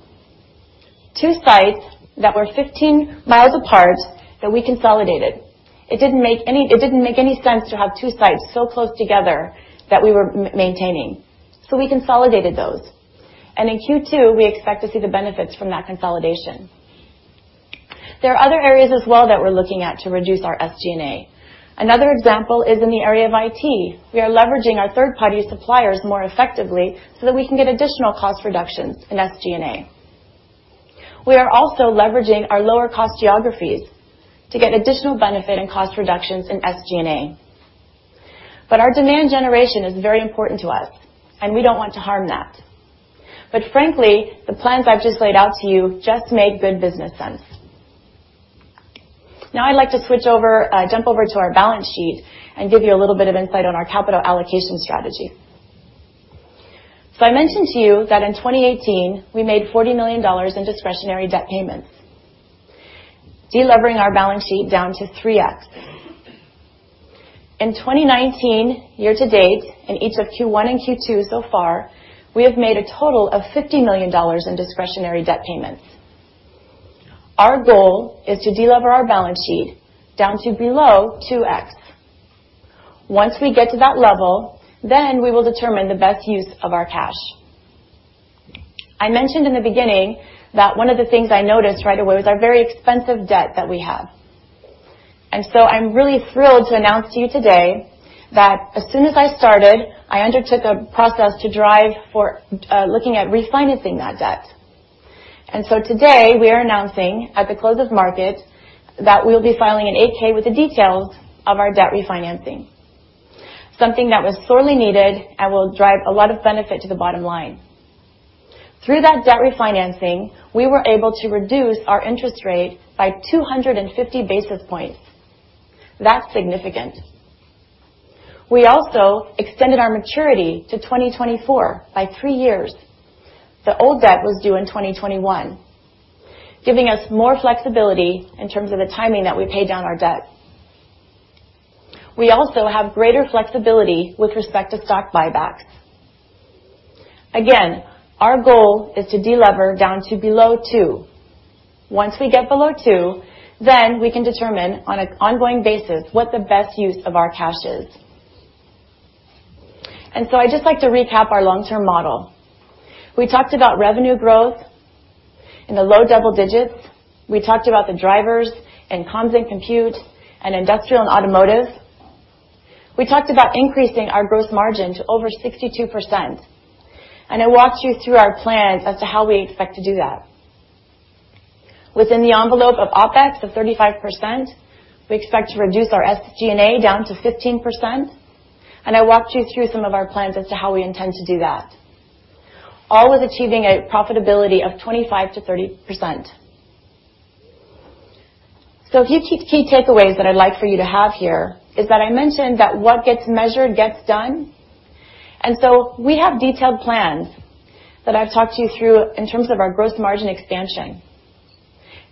Two sites that were 15 miles apart that we consolidated. It didn't make any sense to have two sites so close together that we were maintaining, we consolidated those. In Q2, we expect to see the benefits from that consolidation. There are other areas as well that we're looking at to reduce our SG&A. Another example is in the area of IT. We are leveraging our third-party suppliers more effectively so that we can get additional cost reductions in SG&A. We are also leveraging our lower cost geographies to get additional benefit and cost reductions in SG&A. Our demand generation is very important to us, and we don't want to harm that. Frankly, the plans I've just laid out to you just make good business sense. Now I'd like to jump over to our balance sheet and give you a little bit of insight on our capital allocation strategy. I mentioned to you that in 2018, we made $40 million in discretionary debt payments, de-levering our balance sheet down to 3X. In 2019, year to date, in each of Q1 and Q2 so far, we have made a total of $50 million in discretionary debt payments. Our goal is to de-lever our balance sheet down to below 2X. Once we get to that level, then we will determine the best use of our cash. I mentioned in the beginning that one of the things I noticed right away was our very expensive debt that we have. I'm really thrilled to announce to you today that as soon as I started, I undertook a process to drive for looking at refinancing that debt. Today, we are announcing at the close of market that we'll be filing an 8-K with the details of our debt refinancing, something that was sorely needed and will drive a lot of benefit to the bottom line. Through that debt refinancing, we were able to reduce our interest rate by 250 basis points. That's significant. We also extended our maturity to 2024 by three years, the old debt was due in 2021, giving us more flexibility in terms of the timing that we pay down our debt. We also have greater flexibility with respect to stock buybacks. Again, our goal is to de-lever down to below two. Once we get below two, then we can determine on an ongoing basis what the best use of our cash is. I'd just like to recap our long-term model. We talked about revenue growth in the low double digits. We talked about the drivers in comms & compute and industrial and automotive. We talked about increasing our gross margin to over 62%. I walked you through our plans as to how we expect to do that. Within the envelope of OPEX of 35%, we expect to reduce our SG&A down to 15%. I walked you through some of our plans as to how we intend to do that, all with achieving a profitability of 25%-30%. A few key takeaways that I'd like for you to have here is that I mentioned that what gets measured gets done. We have detailed plans that I've talked to you through in terms of our gross margin expansion,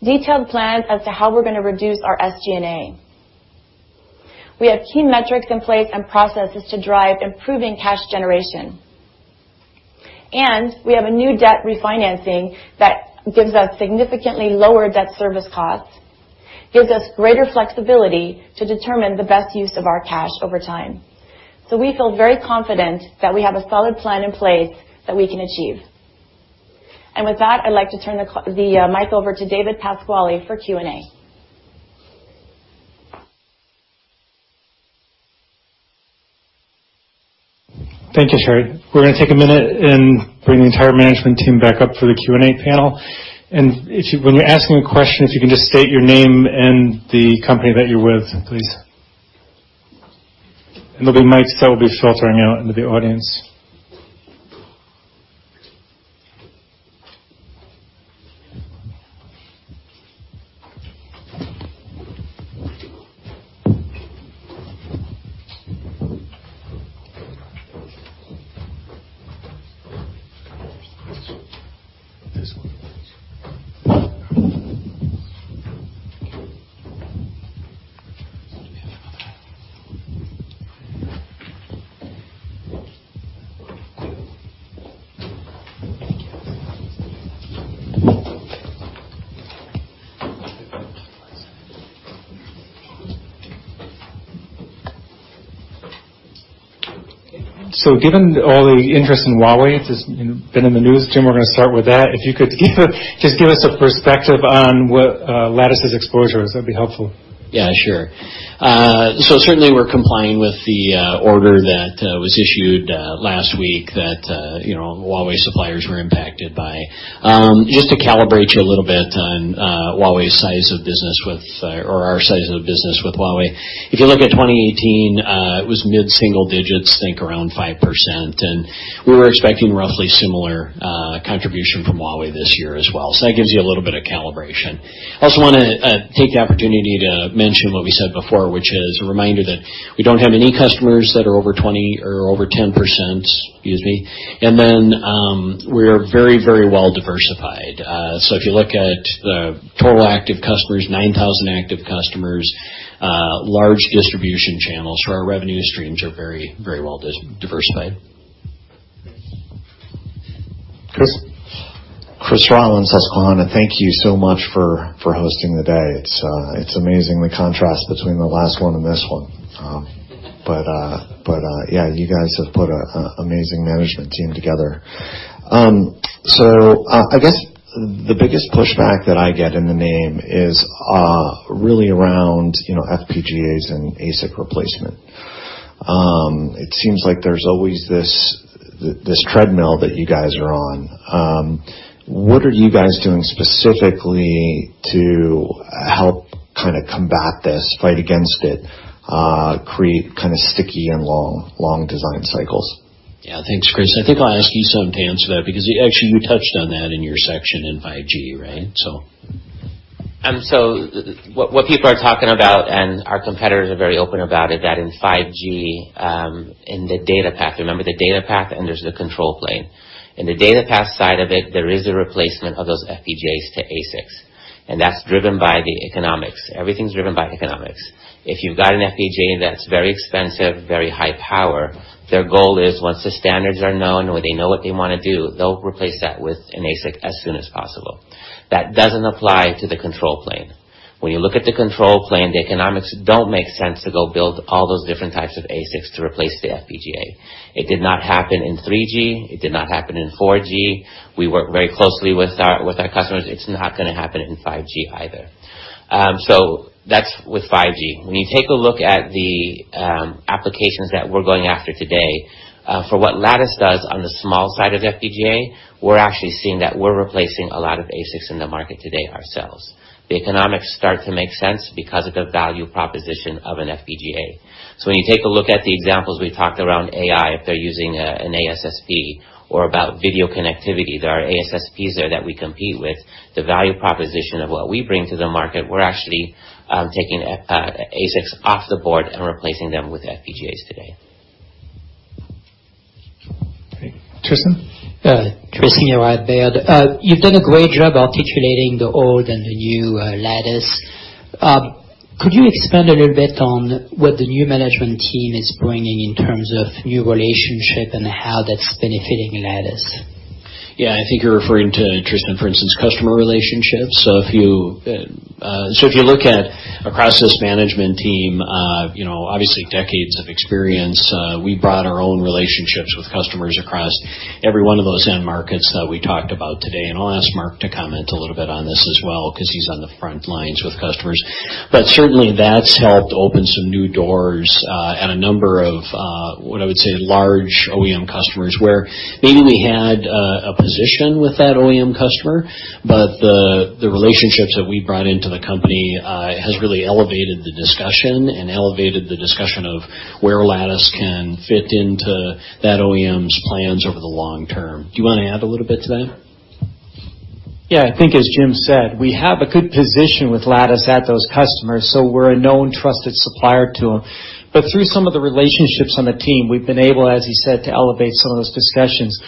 detailed plans as to how we're going to reduce our SG&A. We have key metrics in place and processes to drive improving cash generation. We have a new debt refinancing that gives us significantly lower debt service costs, gives us greater flexibility to determine the best use of our cash over time. We feel very confident that we have a solid plan in place that we can achieve. With that, I'd like to turn the mic over to David Pasquale for Q&A. Thank you, Sherri. We're going to take a minute and bring the entire management team back up for the Q&A panel. When you're asking a question, if you can just state your name and the company that you're with, please. There'll be mics that will be filtering out into the audience. Given all the interest in Huawei, it's been in the news, Jim, we're going to start with that. If you could just give us a perspective on what Lattice's exposure is, that'd be helpful. Yeah, sure. Certainly, we're complying with the order that was issued last week that Huawei suppliers were impacted by. Just to calibrate you a little bit on our size of business with Huawei, if you look at 2018, it was mid-single digits, think around 5%. We were expecting roughly similar contribution from Huawei this year as well. That gives you a little bit of calibration. I also want to take the opportunity to mention what we said before, which is a reminder that we don't have any customers that are over 20 or over 10%, excuse me. We are very well diversified. If you look at the total active customers, 9,000 active customers, large distribution channels. Our revenue streams are very well diversified. Chris. Christopher Rolland, Susquehanna. Thank you so much for hosting the day. It is amazing the contrast between the last one and this one. Yeah, you guys have put an amazing management team together. I guess the biggest pushback that I get in the name is really around FPGAs and ASIC replacement It seems like there is always this treadmill that you guys are on. What are you guys doing specifically to help combat this, fight against it, create sticky and long design cycles? Thanks, Chris. I think I will ask Esam to answer that, because actually you touched on that in your section in 5G, right? What people are talking about, and our competitors are very open about it, that in 5G, in the data path, remember the data path, and there is the control plane. In the data path side of it, there is a replacement of those FPGAs to ASICs, and that is driven by the economics. Everything is driven by economics. If you have got an FPGA that is very expensive, very high power, their goal is once the standards are known or they know what they want to do, they will replace that with an ASIC as soon as possible. That does not apply to the control plane. When you look at the control plane, the economics do not make sense to go build all those different types of ASICs to replace the FPGA. It did not happen in 3G. It did not happen in 4G. We work very closely with our customers. It's not going to happen in 5G either. That's with 5G. When you take a look at the applications that we're going after today, for what Lattice does on the small side of the FPGA, we're actually seeing that we're replacing a lot of ASICs in the market today ourselves. The economics start to make sense because of the value proposition of an FPGA. When you take a look at the examples we talked around AI, if they're using an ASSP or about video connectivity, there are ASSPs there that we compete with, the value proposition of what we bring to the market, we're actually taking ASICs off the board and replacing them with FPGAs today. Okay. Tristan? Tristan here with Baird. You've done a great job articulating the old and the new Lattice. Could you expand a little bit on what the new management team is bringing in terms of new relationship and how that's benefiting Lattice? Yeah. I think you're referring to, Tristan, for instance, customer relationships. If you look at across this management team, obviously decades of experience, we brought our own relationships with customers across every one of those end markets that we talked about today. I'll ask Mark to comment a little bit on this as well because he's on the front lines with customers. Certainly, that's helped open some new doors, at a number of, what I would say, large OEM customers, where maybe we had a position with that OEM customer, but the relationships that we brought into the company, has really elevated the discussion and elevated the discussion of where Lattice can fit into that OEM's plans over the long term. Do you want to add a little bit to that? Yeah. I think as Jim said, we have a good position with Lattice at those customers, so we're a known, trusted supplier to them. Through some of the relationships on the team, we've been able, as he said, to elevate some of those discussions.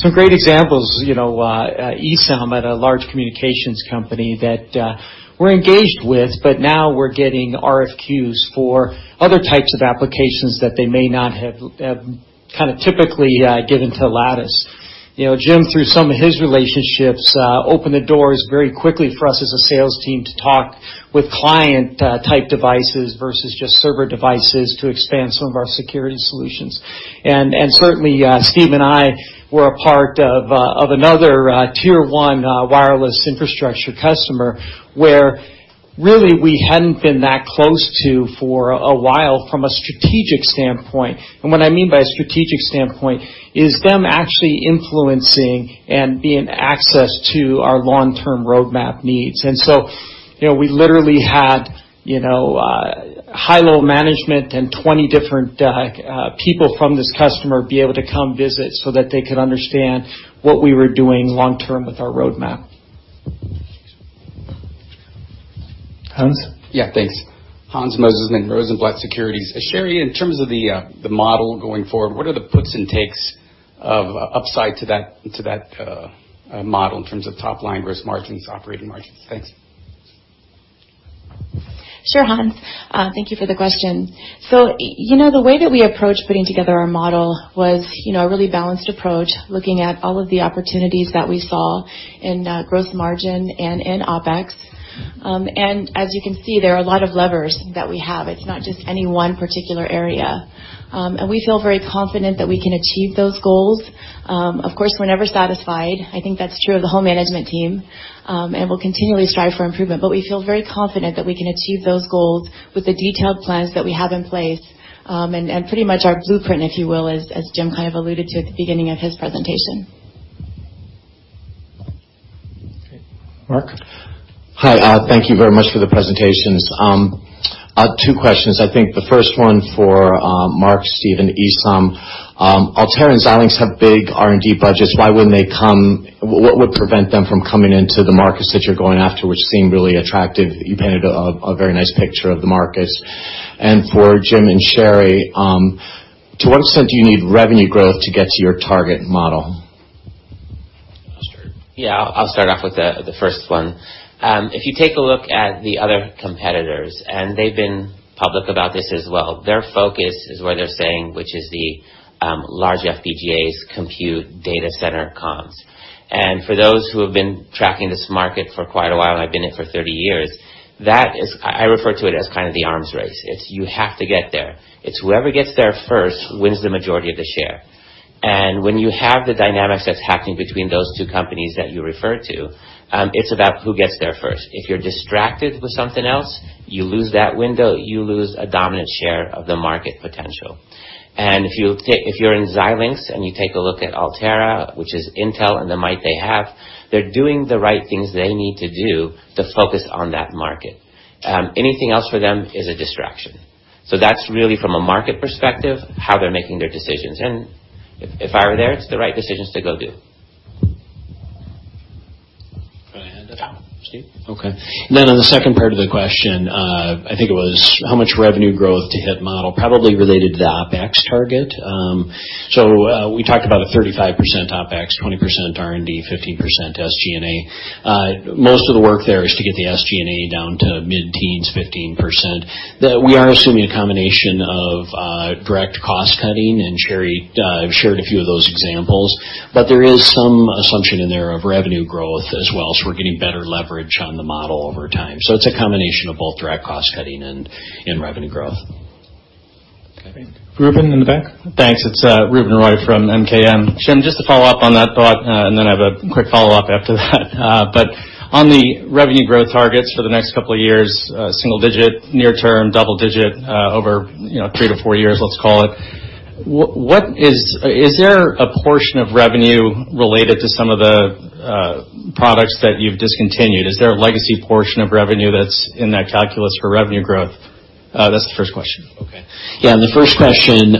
Some great examples, Esam at a large communications company that, we're engaged with, but now we're getting RFQs for other types of applications that they may not have typically given to Lattice. Jim, through some of his relationships, opened the doors very quickly for us as a sales team to talk with client type devices versus just server devices to expand some of our security solutions. Certainly, Steve and I were a part of another tier 1 wireless infrastructure customer, where really we hadn't been that close to for a while from a strategic standpoint. What I mean by a strategic standpoint is them actually influencing and being access to our long-term roadmap needs. We literally had high-level management and 20 different people from this customer be able to come visit so that they could understand what we were doing long term with our roadmap. Hans? Yeah, thanks. Hans Mosesmann with Rosenblatt Securities. Sherri, in terms of the model going forward, what are the puts and takes of upside to that model in terms of top-line gross margins, operating margins? Thanks. Sure, Hans. Thank you for the question. The way that we approach putting together our model was a really balanced approach, looking at all of the opportunities that we saw in growth margin and in OPEX. As you can see, there are a lot of levers that we have. It's not just any one particular area. We feel very confident that we can achieve those goals. Of course, we're never satisfied. I think that's true of the whole management team, and we'll continually strive for improvement. We feel very confident that we can achieve those goals with the detailed plans that we have in place, and pretty much our blueprint, if you will, as Jim kind of alluded to at the beginning of his presentation. Okay. Mark? Hi. Thank you very much for the presentations. Two questions. I think the first one for Mark, Steve, and Esam. Altera and Xilinx have big R&D budgets. What would prevent them from coming into the markets that you're going after, which seem really attractive? You painted a very nice picture of the markets. For Jim and Sherri, to what extent do you need revenue growth to get to your target model? I'll start. Yeah, I'll start off with the first one. If you take a look at the other competitors, they've been public about this as well, their focus is where they're saying, which is the large FPGAs, compute data center comms. For those who have been tracking this market for quite a while, and I've been in it for 30 years, I refer to it as kind of the arms race. It's you have to get there. It's whoever gets there first wins the majority of the share. When you have the dynamics that's happening between those two companies that you refer to, it's about who gets there first. If you're distracted with something else, you lose that window, you lose a dominant share of the market potential. If you're in Xilinx and you take a look at Altera, which is Intel, and the might they have, they're doing the right things they need to do to focus on that market. Anything else for them is a distraction. That's really from a market perspective, how they're making their decisions. If I were there, it's the right decisions to go do. Go ahead, Steve? Okay. On the second part of the question, I think it was how much revenue growth to hit model probably related to the OpEx target. We talked about a 35% OpEx, 20% R&D, 15% SG&A. Most of the work there is to get the SG&A down to mid-teens, 15%. We are assuming a combination of direct cost-cutting, and Sherri shared a few of those examples, but there is some assumption in there of revenue growth as well, we're getting better leverage on the model over time. It's a combination of both direct cost-cutting and revenue growth. Okay. Ruben in the back. Thanks. It is Ruben Roy from MKM. Jim, just to follow up on that thought, I have a quick follow-up after that. On the revenue growth targets for the next couple of years, single-digit near term, double-digit, over three to four years, let's call it. Is there a portion of revenue related to some of the products that you've discontinued? Is there a legacy portion of revenue that's in that calculus for revenue growth? That's the first question. Okay. The first question,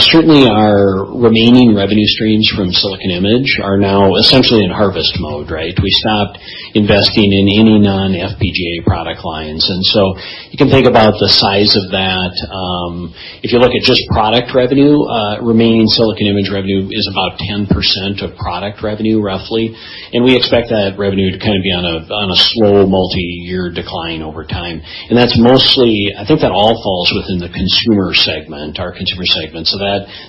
certainly our remaining revenue streams from Silicon Image are now essentially in harvest mode, right? We stopped investing in any non-FPGA product lines. You can think about the size of that. If you look at just product revenue, remaining Silicon Image revenue is about 10% of product revenue, roughly. We expect that revenue to be on a slow multi-year decline over time. I think that all falls within the consumer segment, our consumer segment.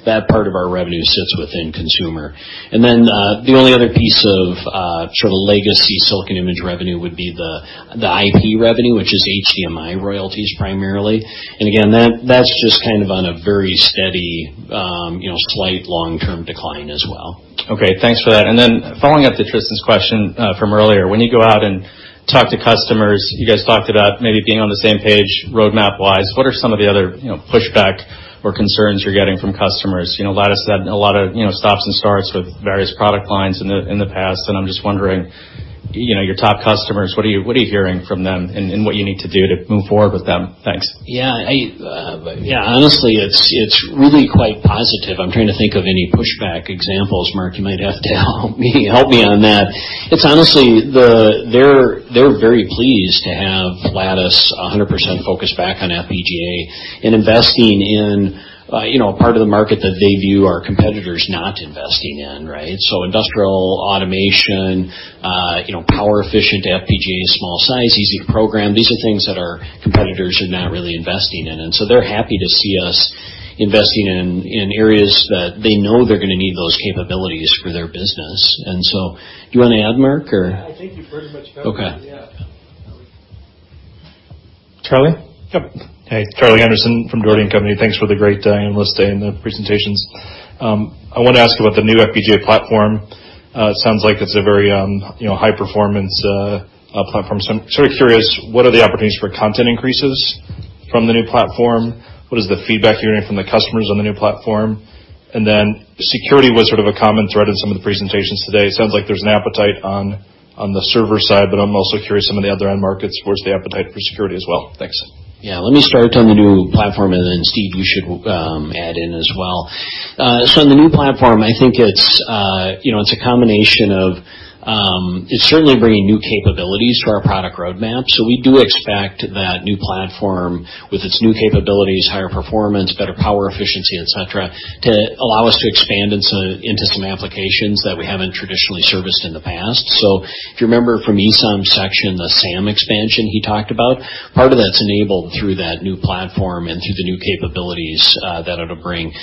That part of our revenue sits within consumer. The only other piece of legacy Silicon Image revenue would be the IP revenue, which is HDMI royalties primarily. Again, that's just on a very steady, slight long-term decline as well. Okay, thanks for that. Following up to Tristan's question from earlier, when you go out and talk to customers, you guys talked about maybe being on the same page roadmap-wise. What are some of the other pushback or concerns you're getting from customers? Lattice had a lot of stops and starts with various product lines in the past. I'm just wondering, your top customers, what are you hearing from them and what you need to do to move forward with them? Thanks. Honestly, it's really quite positive. I'm trying to think of any pushback examples. Mark, you might have to help me on that. It's honestly, they're very pleased to have Lattice 100% focused back on FPGA and investing in a part of the market that they view our competitors not investing in, right? Industrial automation, power-efficient FPGA, small size, easy to program. These are things that our competitors are not really investing in. They're happy to see us investing in areas that they know they're going to need those capabilities for their business. Do you want to add Mark, or? I think you pretty much covered it, yeah. Okay. Charlie? Yep. Hey, Charlie Anderson from Dougherty & Company. Thanks for the great analyst day and the presentations. I want to ask about the new FPGA platform. It sounds like it's a very high-performance platform. I'm curious, what are the opportunities for content increases from the new platform? What is the feedback you're hearing from the customers on the new platform? Security was sort of a common thread in some of the presentations today. It sounds like there's an appetite on the server side, I'm also curious, some of the other end markets, where's the appetite for security as well? Thanks. Yeah, let me start on the new platform, Steve, you should add in as well. On the new platform, I think it's a combination of it certainly bringing new capabilities to our product roadmap. We do expect that new platform with its new capabilities, higher performance, better power efficiency, et cetera, to allow us to expand into some applications that we haven't traditionally serviced in the past. If you remember from Esam's section, the SAM expansion he talked about, part of that's enabled through that new platform and through the new capabilities that it'll bring.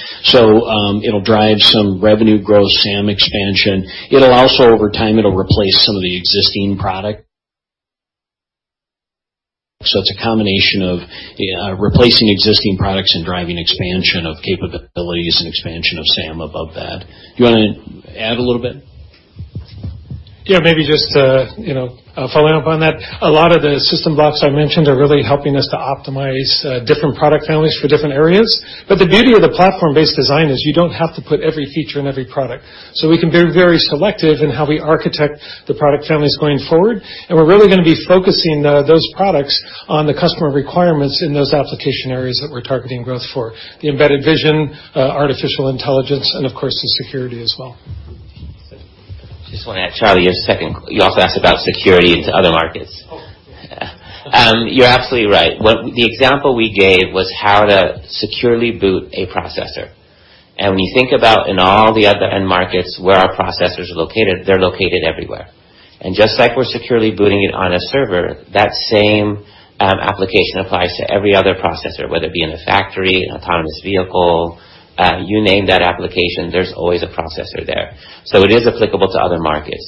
It'll drive some revenue growth, SAM expansion. It'll also over time, it'll replace some of the existing product. It's a combination of replacing existing products and driving expansion of capabilities and expansion of SAM above that. Do you want to add a little bit? Yeah, maybe just following up on that, a lot of the system blocks I mentioned are really helping us to optimize different product families for different areas. The beauty of the platform-based design is you don't have to put every feature in every product. We can be very selective in how we architect the product families going forward, and we're really going to be focusing those products on the customer requirements in those application areas that we're targeting growth for. The embedded vision, artificial intelligence, and of course security as well. Just want to add, Charlie, your second, you also asked about security into other markets. Oh, yeah. You're absolutely right. When you think about in all the other end markets where our processors are located, they're located everywhere. Just like we're securely booting it on a server, that same application applies to every other processor, whether it be in a factory, an autonomous vehicle. You name that application, there's always a processor there. It is applicable to other markets.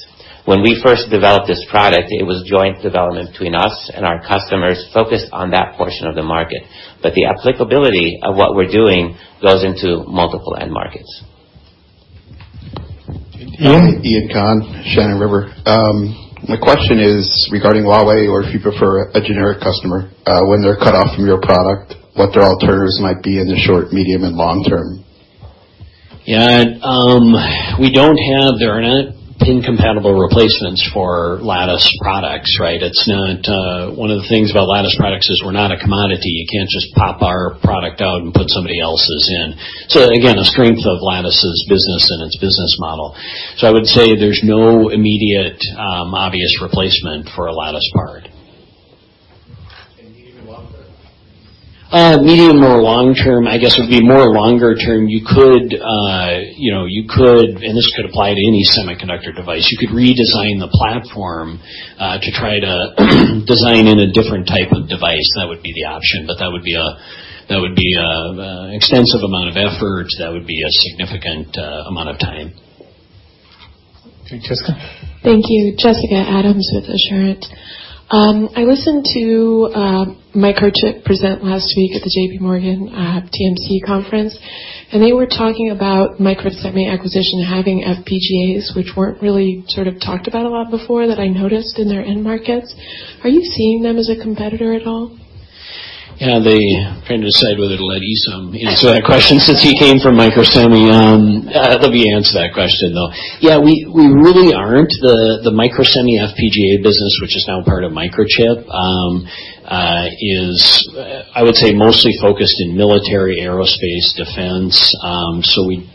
When we first developed this product, it was joint development between us and our customers focused on that portion of the market. The applicability of what we're doing goes into multiple end markets. Ian Conn, Shannon River. My question is regarding Huawei, or if you prefer a generic customer, when they're cut off from your product, what their alternatives might be in the short, medium, and long term. There are not pin-compatible replacements for Lattice products, right? One of the things about Lattice products is we're not a commodity. You can't just pop our product out and put somebody else's in. Again, a strength of Lattice's business and its business model. I would say there's no immediate obvious replacement for a Lattice part. Medium and long term? Medium or long term, I guess would be more longer term. This could apply to any semiconductor device. You could redesign the platform to try to design in a different type of device. That would be the option, that would be extensive amount of effort. That would be a significant amount of time. Jessica. Thank you. Jessica Adams with Assurance. I listened to [Mike Hurczyk] present last week at the JPMorgan TMC conference. They were talking about Microsemi acquisition having FPGAs, which weren't really sort of talked about a lot before that I noticed in their end markets. Are you seeing them as a competitor at all? Yeah, they kind of decide whether to let Esam answer that question since he came from Microsemi. Let me answer that question, though. Yeah, we really aren't. The Microsemi FPGA business, which is now part of Microchip, is I would say, mostly focused in military aerospace defense.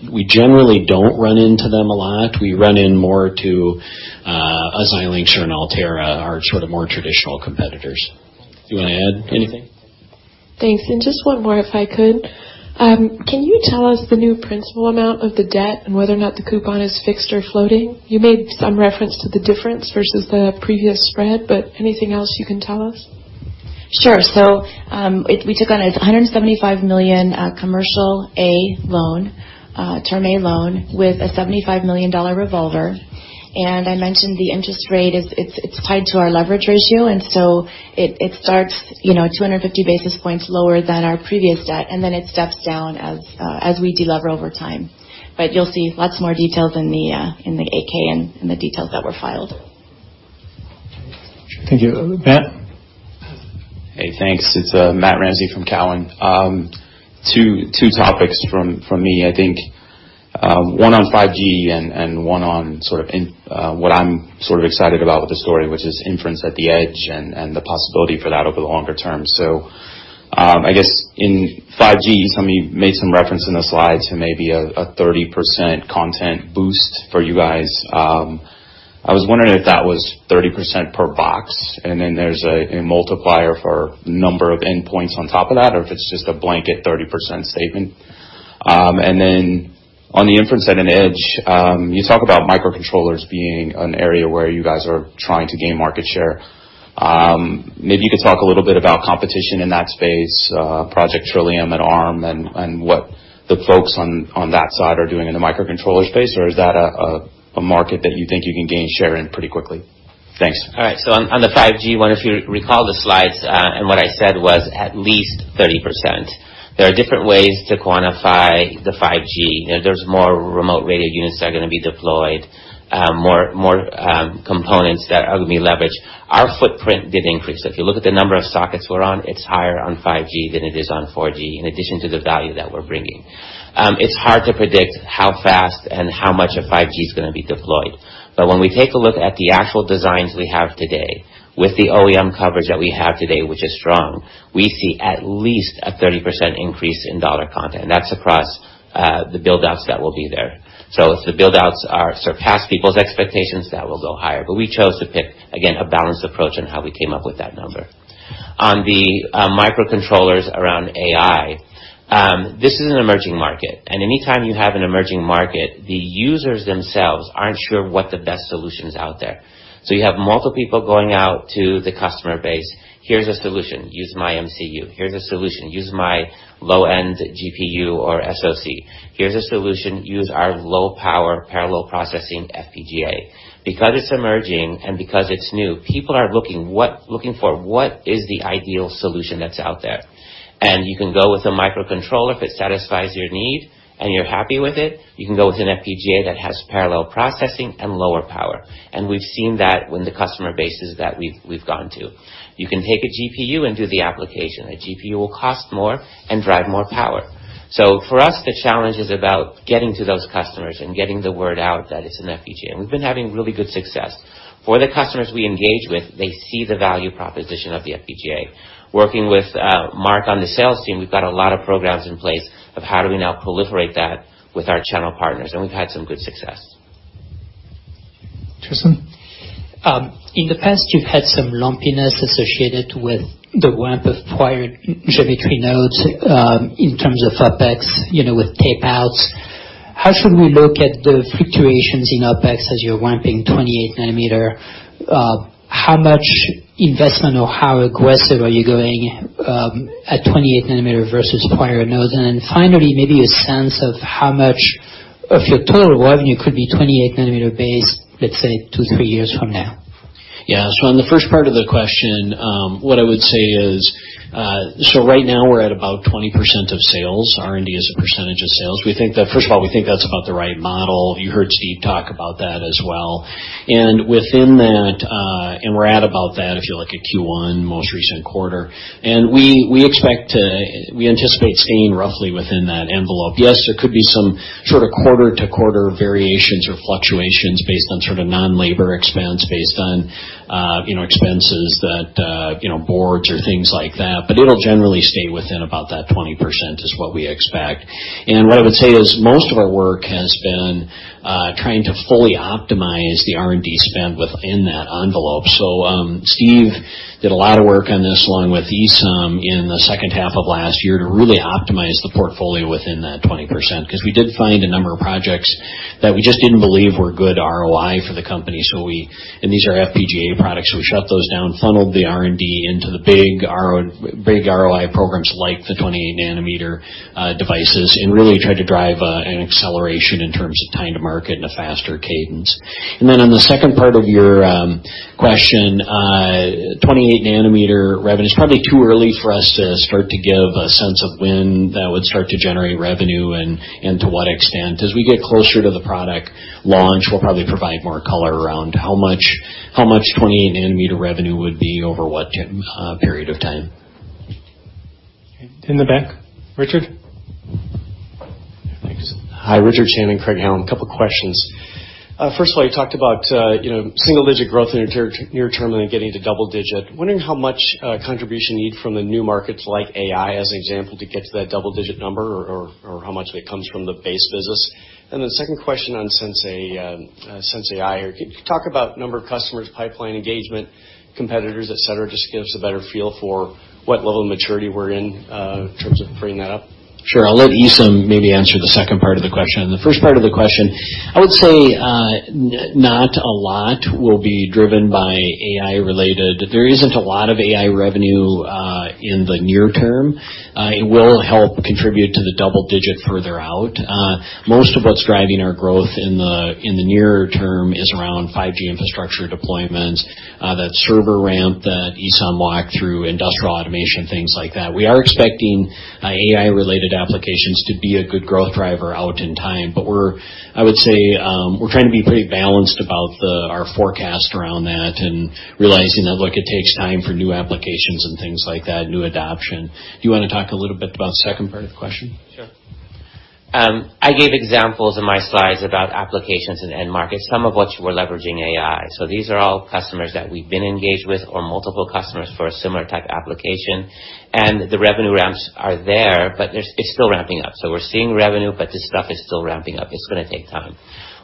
We generally don't run into them a lot. We run in more to as Xilinx and Altera are sort of more traditional competitors. Do you want to add anything? Thanks. Just one more if I could. Can you tell us the new principal amount of the debt and whether or not the coupon is fixed or floating? You made some reference to the difference versus the previous spread, anything else you can tell us? Sure. We took on a $175 million commercial A loan, term A loan with a $75 million revolver. I mentioned the interest rate, it's tied to our leverage ratio. It starts 250 basis points lower than our previous debt. It steps down as we de-lever over time. You'll see lots more details in the 8-K and the details that were filed. Thank you. Matt. Hey, thanks. It's Matthew Ramsay from Cowen. Two topics from me, I think. One on 5G and one on what I'm sort of excited about with the story, which is inference at the edge and the possibility for that over the longer term. I guess in 5G, Esam, you made some reference in the slide to maybe a 30% content boost for you guys. I was wondering if that was 30% per box, and then there's a multiplier for number of endpoints on top of that, or if it's just a blanket 30% statement. On the inference at an edge, you talk about microcontrollers being an area where you guys are trying to gain market share. Maybe you could talk a little bit about competition in that space, Project Trillium at Arm, and what the folks on that side are doing in the microcontroller space, or is that a market that you think you can gain share in pretty quickly? Thanks. All right. On the 5G one, if you recall the slides, what I said was at least 30%. There are different ways to quantify the 5G. There's more remote radio units that are going to be deployed, more components that are going to be leveraged. Our footprint did increase. If you look at the number of sockets we're on, it's higher on 5G than it is on 4G, in addition to the value that we're bringing. It's hard to predict how fast and how much of 5G is going to be deployed. When we take a look at the actual designs we have today with the OEM coverage that we have today, which is strong, we see at least a 30% increase in dollar content, and that's across the build outs that will be there. If the build outs surpass people's expectations, that will go higher. We chose to pick, again, a balanced approach on how we came up with that number. On the microcontrollers around AI, this is an emerging market, and any time you have an emerging market, the users themselves aren't sure what the best solution is out there. You have multiple people going out to the customer base. "Here's a solution, use my MCU. Here's a solution, use my low-end GPU or SOC. Here's a solution, use our low power parallel processing FPGA." Because it's emerging and because it's new, people are looking for what is the ideal solution that's out there. You can go with a microcontroller if it satisfies your need and you're happy with it. You can go with an FPGA that has parallel processing and lower power. We've seen that when the customer bases that we've gone to. You can take a GPU and do the application. A GPU will cost more and drive more power. For us, the challenge is about getting to those customers and getting the word out that it's an FPGA, we've been having really good success. For the customers we engage with, they see the value proposition of the FPGA. Working with Mark on the sales team, we've got a lot of programs in place of how do we now proliferate that with our channel partners, we've had some good success. Tristan. In the past, you've had some lumpiness associated with the ramp of prior geometry nodes, in terms of OpEx, with tapeouts. How should we look at the fluctuations in OpEx as you're ramping 28 nanometer? How much investment or how aggressive are you going, at 28 nanometer versus prior nodes? Finally, maybe a sense of how much of your total revenue could be 28 nanometer based, let's say two, three years from now? On the first part of the question, what I would say is, right now we're at about 20% of sales, R&D as a percentage of sales. First of all, we think that's about the right model. You heard Steve talk about that as well. We're at about that if you look at Q1 most recent quarter. We anticipate staying roughly within that envelope. Yes, there could be some sort of quarter-to-quarter variations or fluctuations based on non-labor expense based on expenses that, boards or things like that. It'll generally stay within about that 20% is what we expect. What I would say is most of our work has been trying to fully optimize the R&D spend within that envelope. Steve did a lot of work on this along with Esam in the second half of last year to really optimize the portfolio within that 20%, because we did find a number of projects that we just didn't believe were good ROI for the company. These are FPGA products, we shut those down, funneled the R&D into the big ROI programs like the 28 nanometer devices and really tried to drive an acceleration in terms of time to market and a faster cadence. On the second part of your question, 28 nanometer revenue, it's probably too early for us to start to give a sense of when that would start to generate revenue and to what extent. As we get closer to the product launch, we'll probably provide more color around how much 28 nanometer revenue would be over what period of time. In the back. Richard? Thanks. Hi, Richard Shannon, Craig-Hallum. A couple questions. First of all, you talked about single-digit growth in the near term and then getting to double-digit. Wondering how much contribution you need from the new markets like AI as an example to get to that double-digit number or how much of it comes from the base business. The second question on sensAI. Can you talk about number of customers, pipeline engagement, competitors, et cetera, just to give us a better feel for what level of maturity we're in terms of bringing that up? Sure. I'll let Esam maybe answer the second part of the question. The first part of the question, I would say not a lot will be driven by AI-related. There isn't a lot of AI revenue, in the near term. It will help contribute to the double-digit further out. Most of what's driving our growth in the nearer term is around 5G infrastructure deployments, that server ramp that Esam walked through, industrial automation, things like that. We are expecting AI-related applications to be a good growth driver out in time. I would say, we're trying to be pretty balanced about our forecast around that and realizing that, look, it takes time for new applications and things like that, new adoption. Do you want to talk a little bit about the second part of the question? Sure. I gave examples in my slides about applications in end markets, some of which we're leveraging AI. These are all customers that we've been engaged with or multiple customers for a similar type of application. The revenue ramps are there, but it's still ramping up. We're seeing revenue, but this stuff is still ramping up. It's going to take time.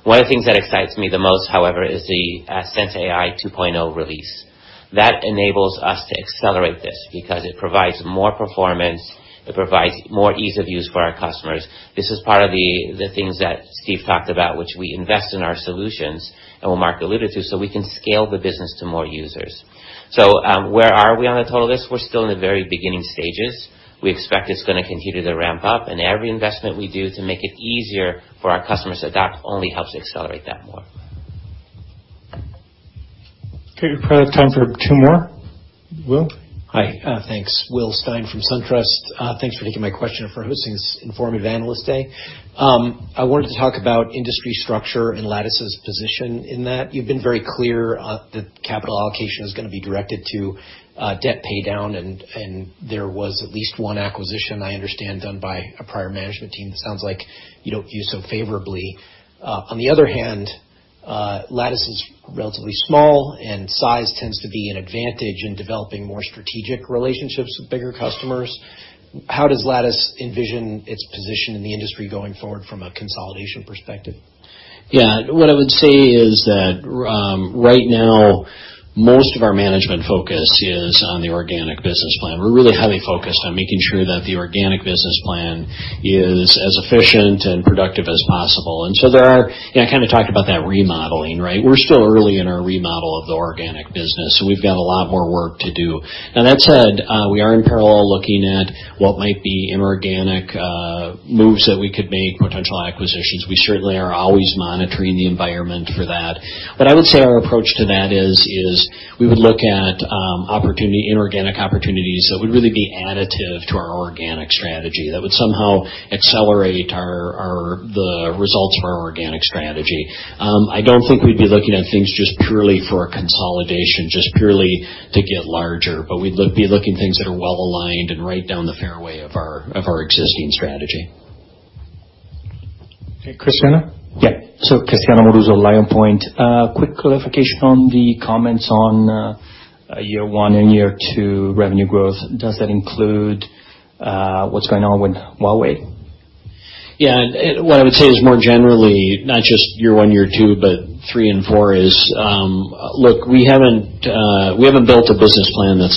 One of the things that excites me the most, however, is the sensAI 2.0 release. That enables us to accelerate this because it provides more performance, it provides more ease of use for our customers. This is part of the things that Steve talked about, which we invest in our solutions, and what Mark alluded to, we can scale the business to more users. Where are we on the total of this? We're still in the very beginning stages. We expect it's going to continue to ramp up, every investment we do to make it easier for our customers to adopt only helps accelerate that more. Okay, we probably have time for two more. Will? Hi, thanks. William Stein from SunTrust. Thanks for taking my question and for hosting this informative analyst day. I wanted to talk about industry structure and Lattice's position in that. You've been very clear that capital allocation is going to be directed to debt paydown, there was at least one acquisition I understand done by a prior management team that sounds like you don't view so favorably. On the other hand, Lattice is relatively small, size tends to be an advantage in developing more strategic relationships with bigger customers. How does Lattice envision its position in the industry going forward from a consolidation perspective? Yeah. What I would say is that, right now, most of our management focus is on the organic business plan. We're really heavily focused on making sure that the organic business plan is as efficient and productive as possible. I kind of talked about that remodeling, right? We're still early in our remodel of the organic business, so we've got a lot more work to do. Now, that said, we are in parallel looking at what might be inorganic moves that we could make, potential acquisitions. We certainly are always monitoring the environment for that. I would say our approach to that is we would look at inorganic opportunities that would really be additive to our organic strategy, that would somehow accelerate the results of our organic strategy. I don't think we'd be looking at things just purely for a consolidation, just purely to get larger, but we'd be looking at things that are well-aligned and right down the fairway of our existing strategy. Okay, Cristiano? Yeah. Cristiano Amoruso, Lion Point. Quick clarification on the comments on year one and year two revenue growth. Does that include what's going on with Huawei? Yeah. What I would say is more generally, not just year one, year two, but three and four is, look, we haven't built a business plan that's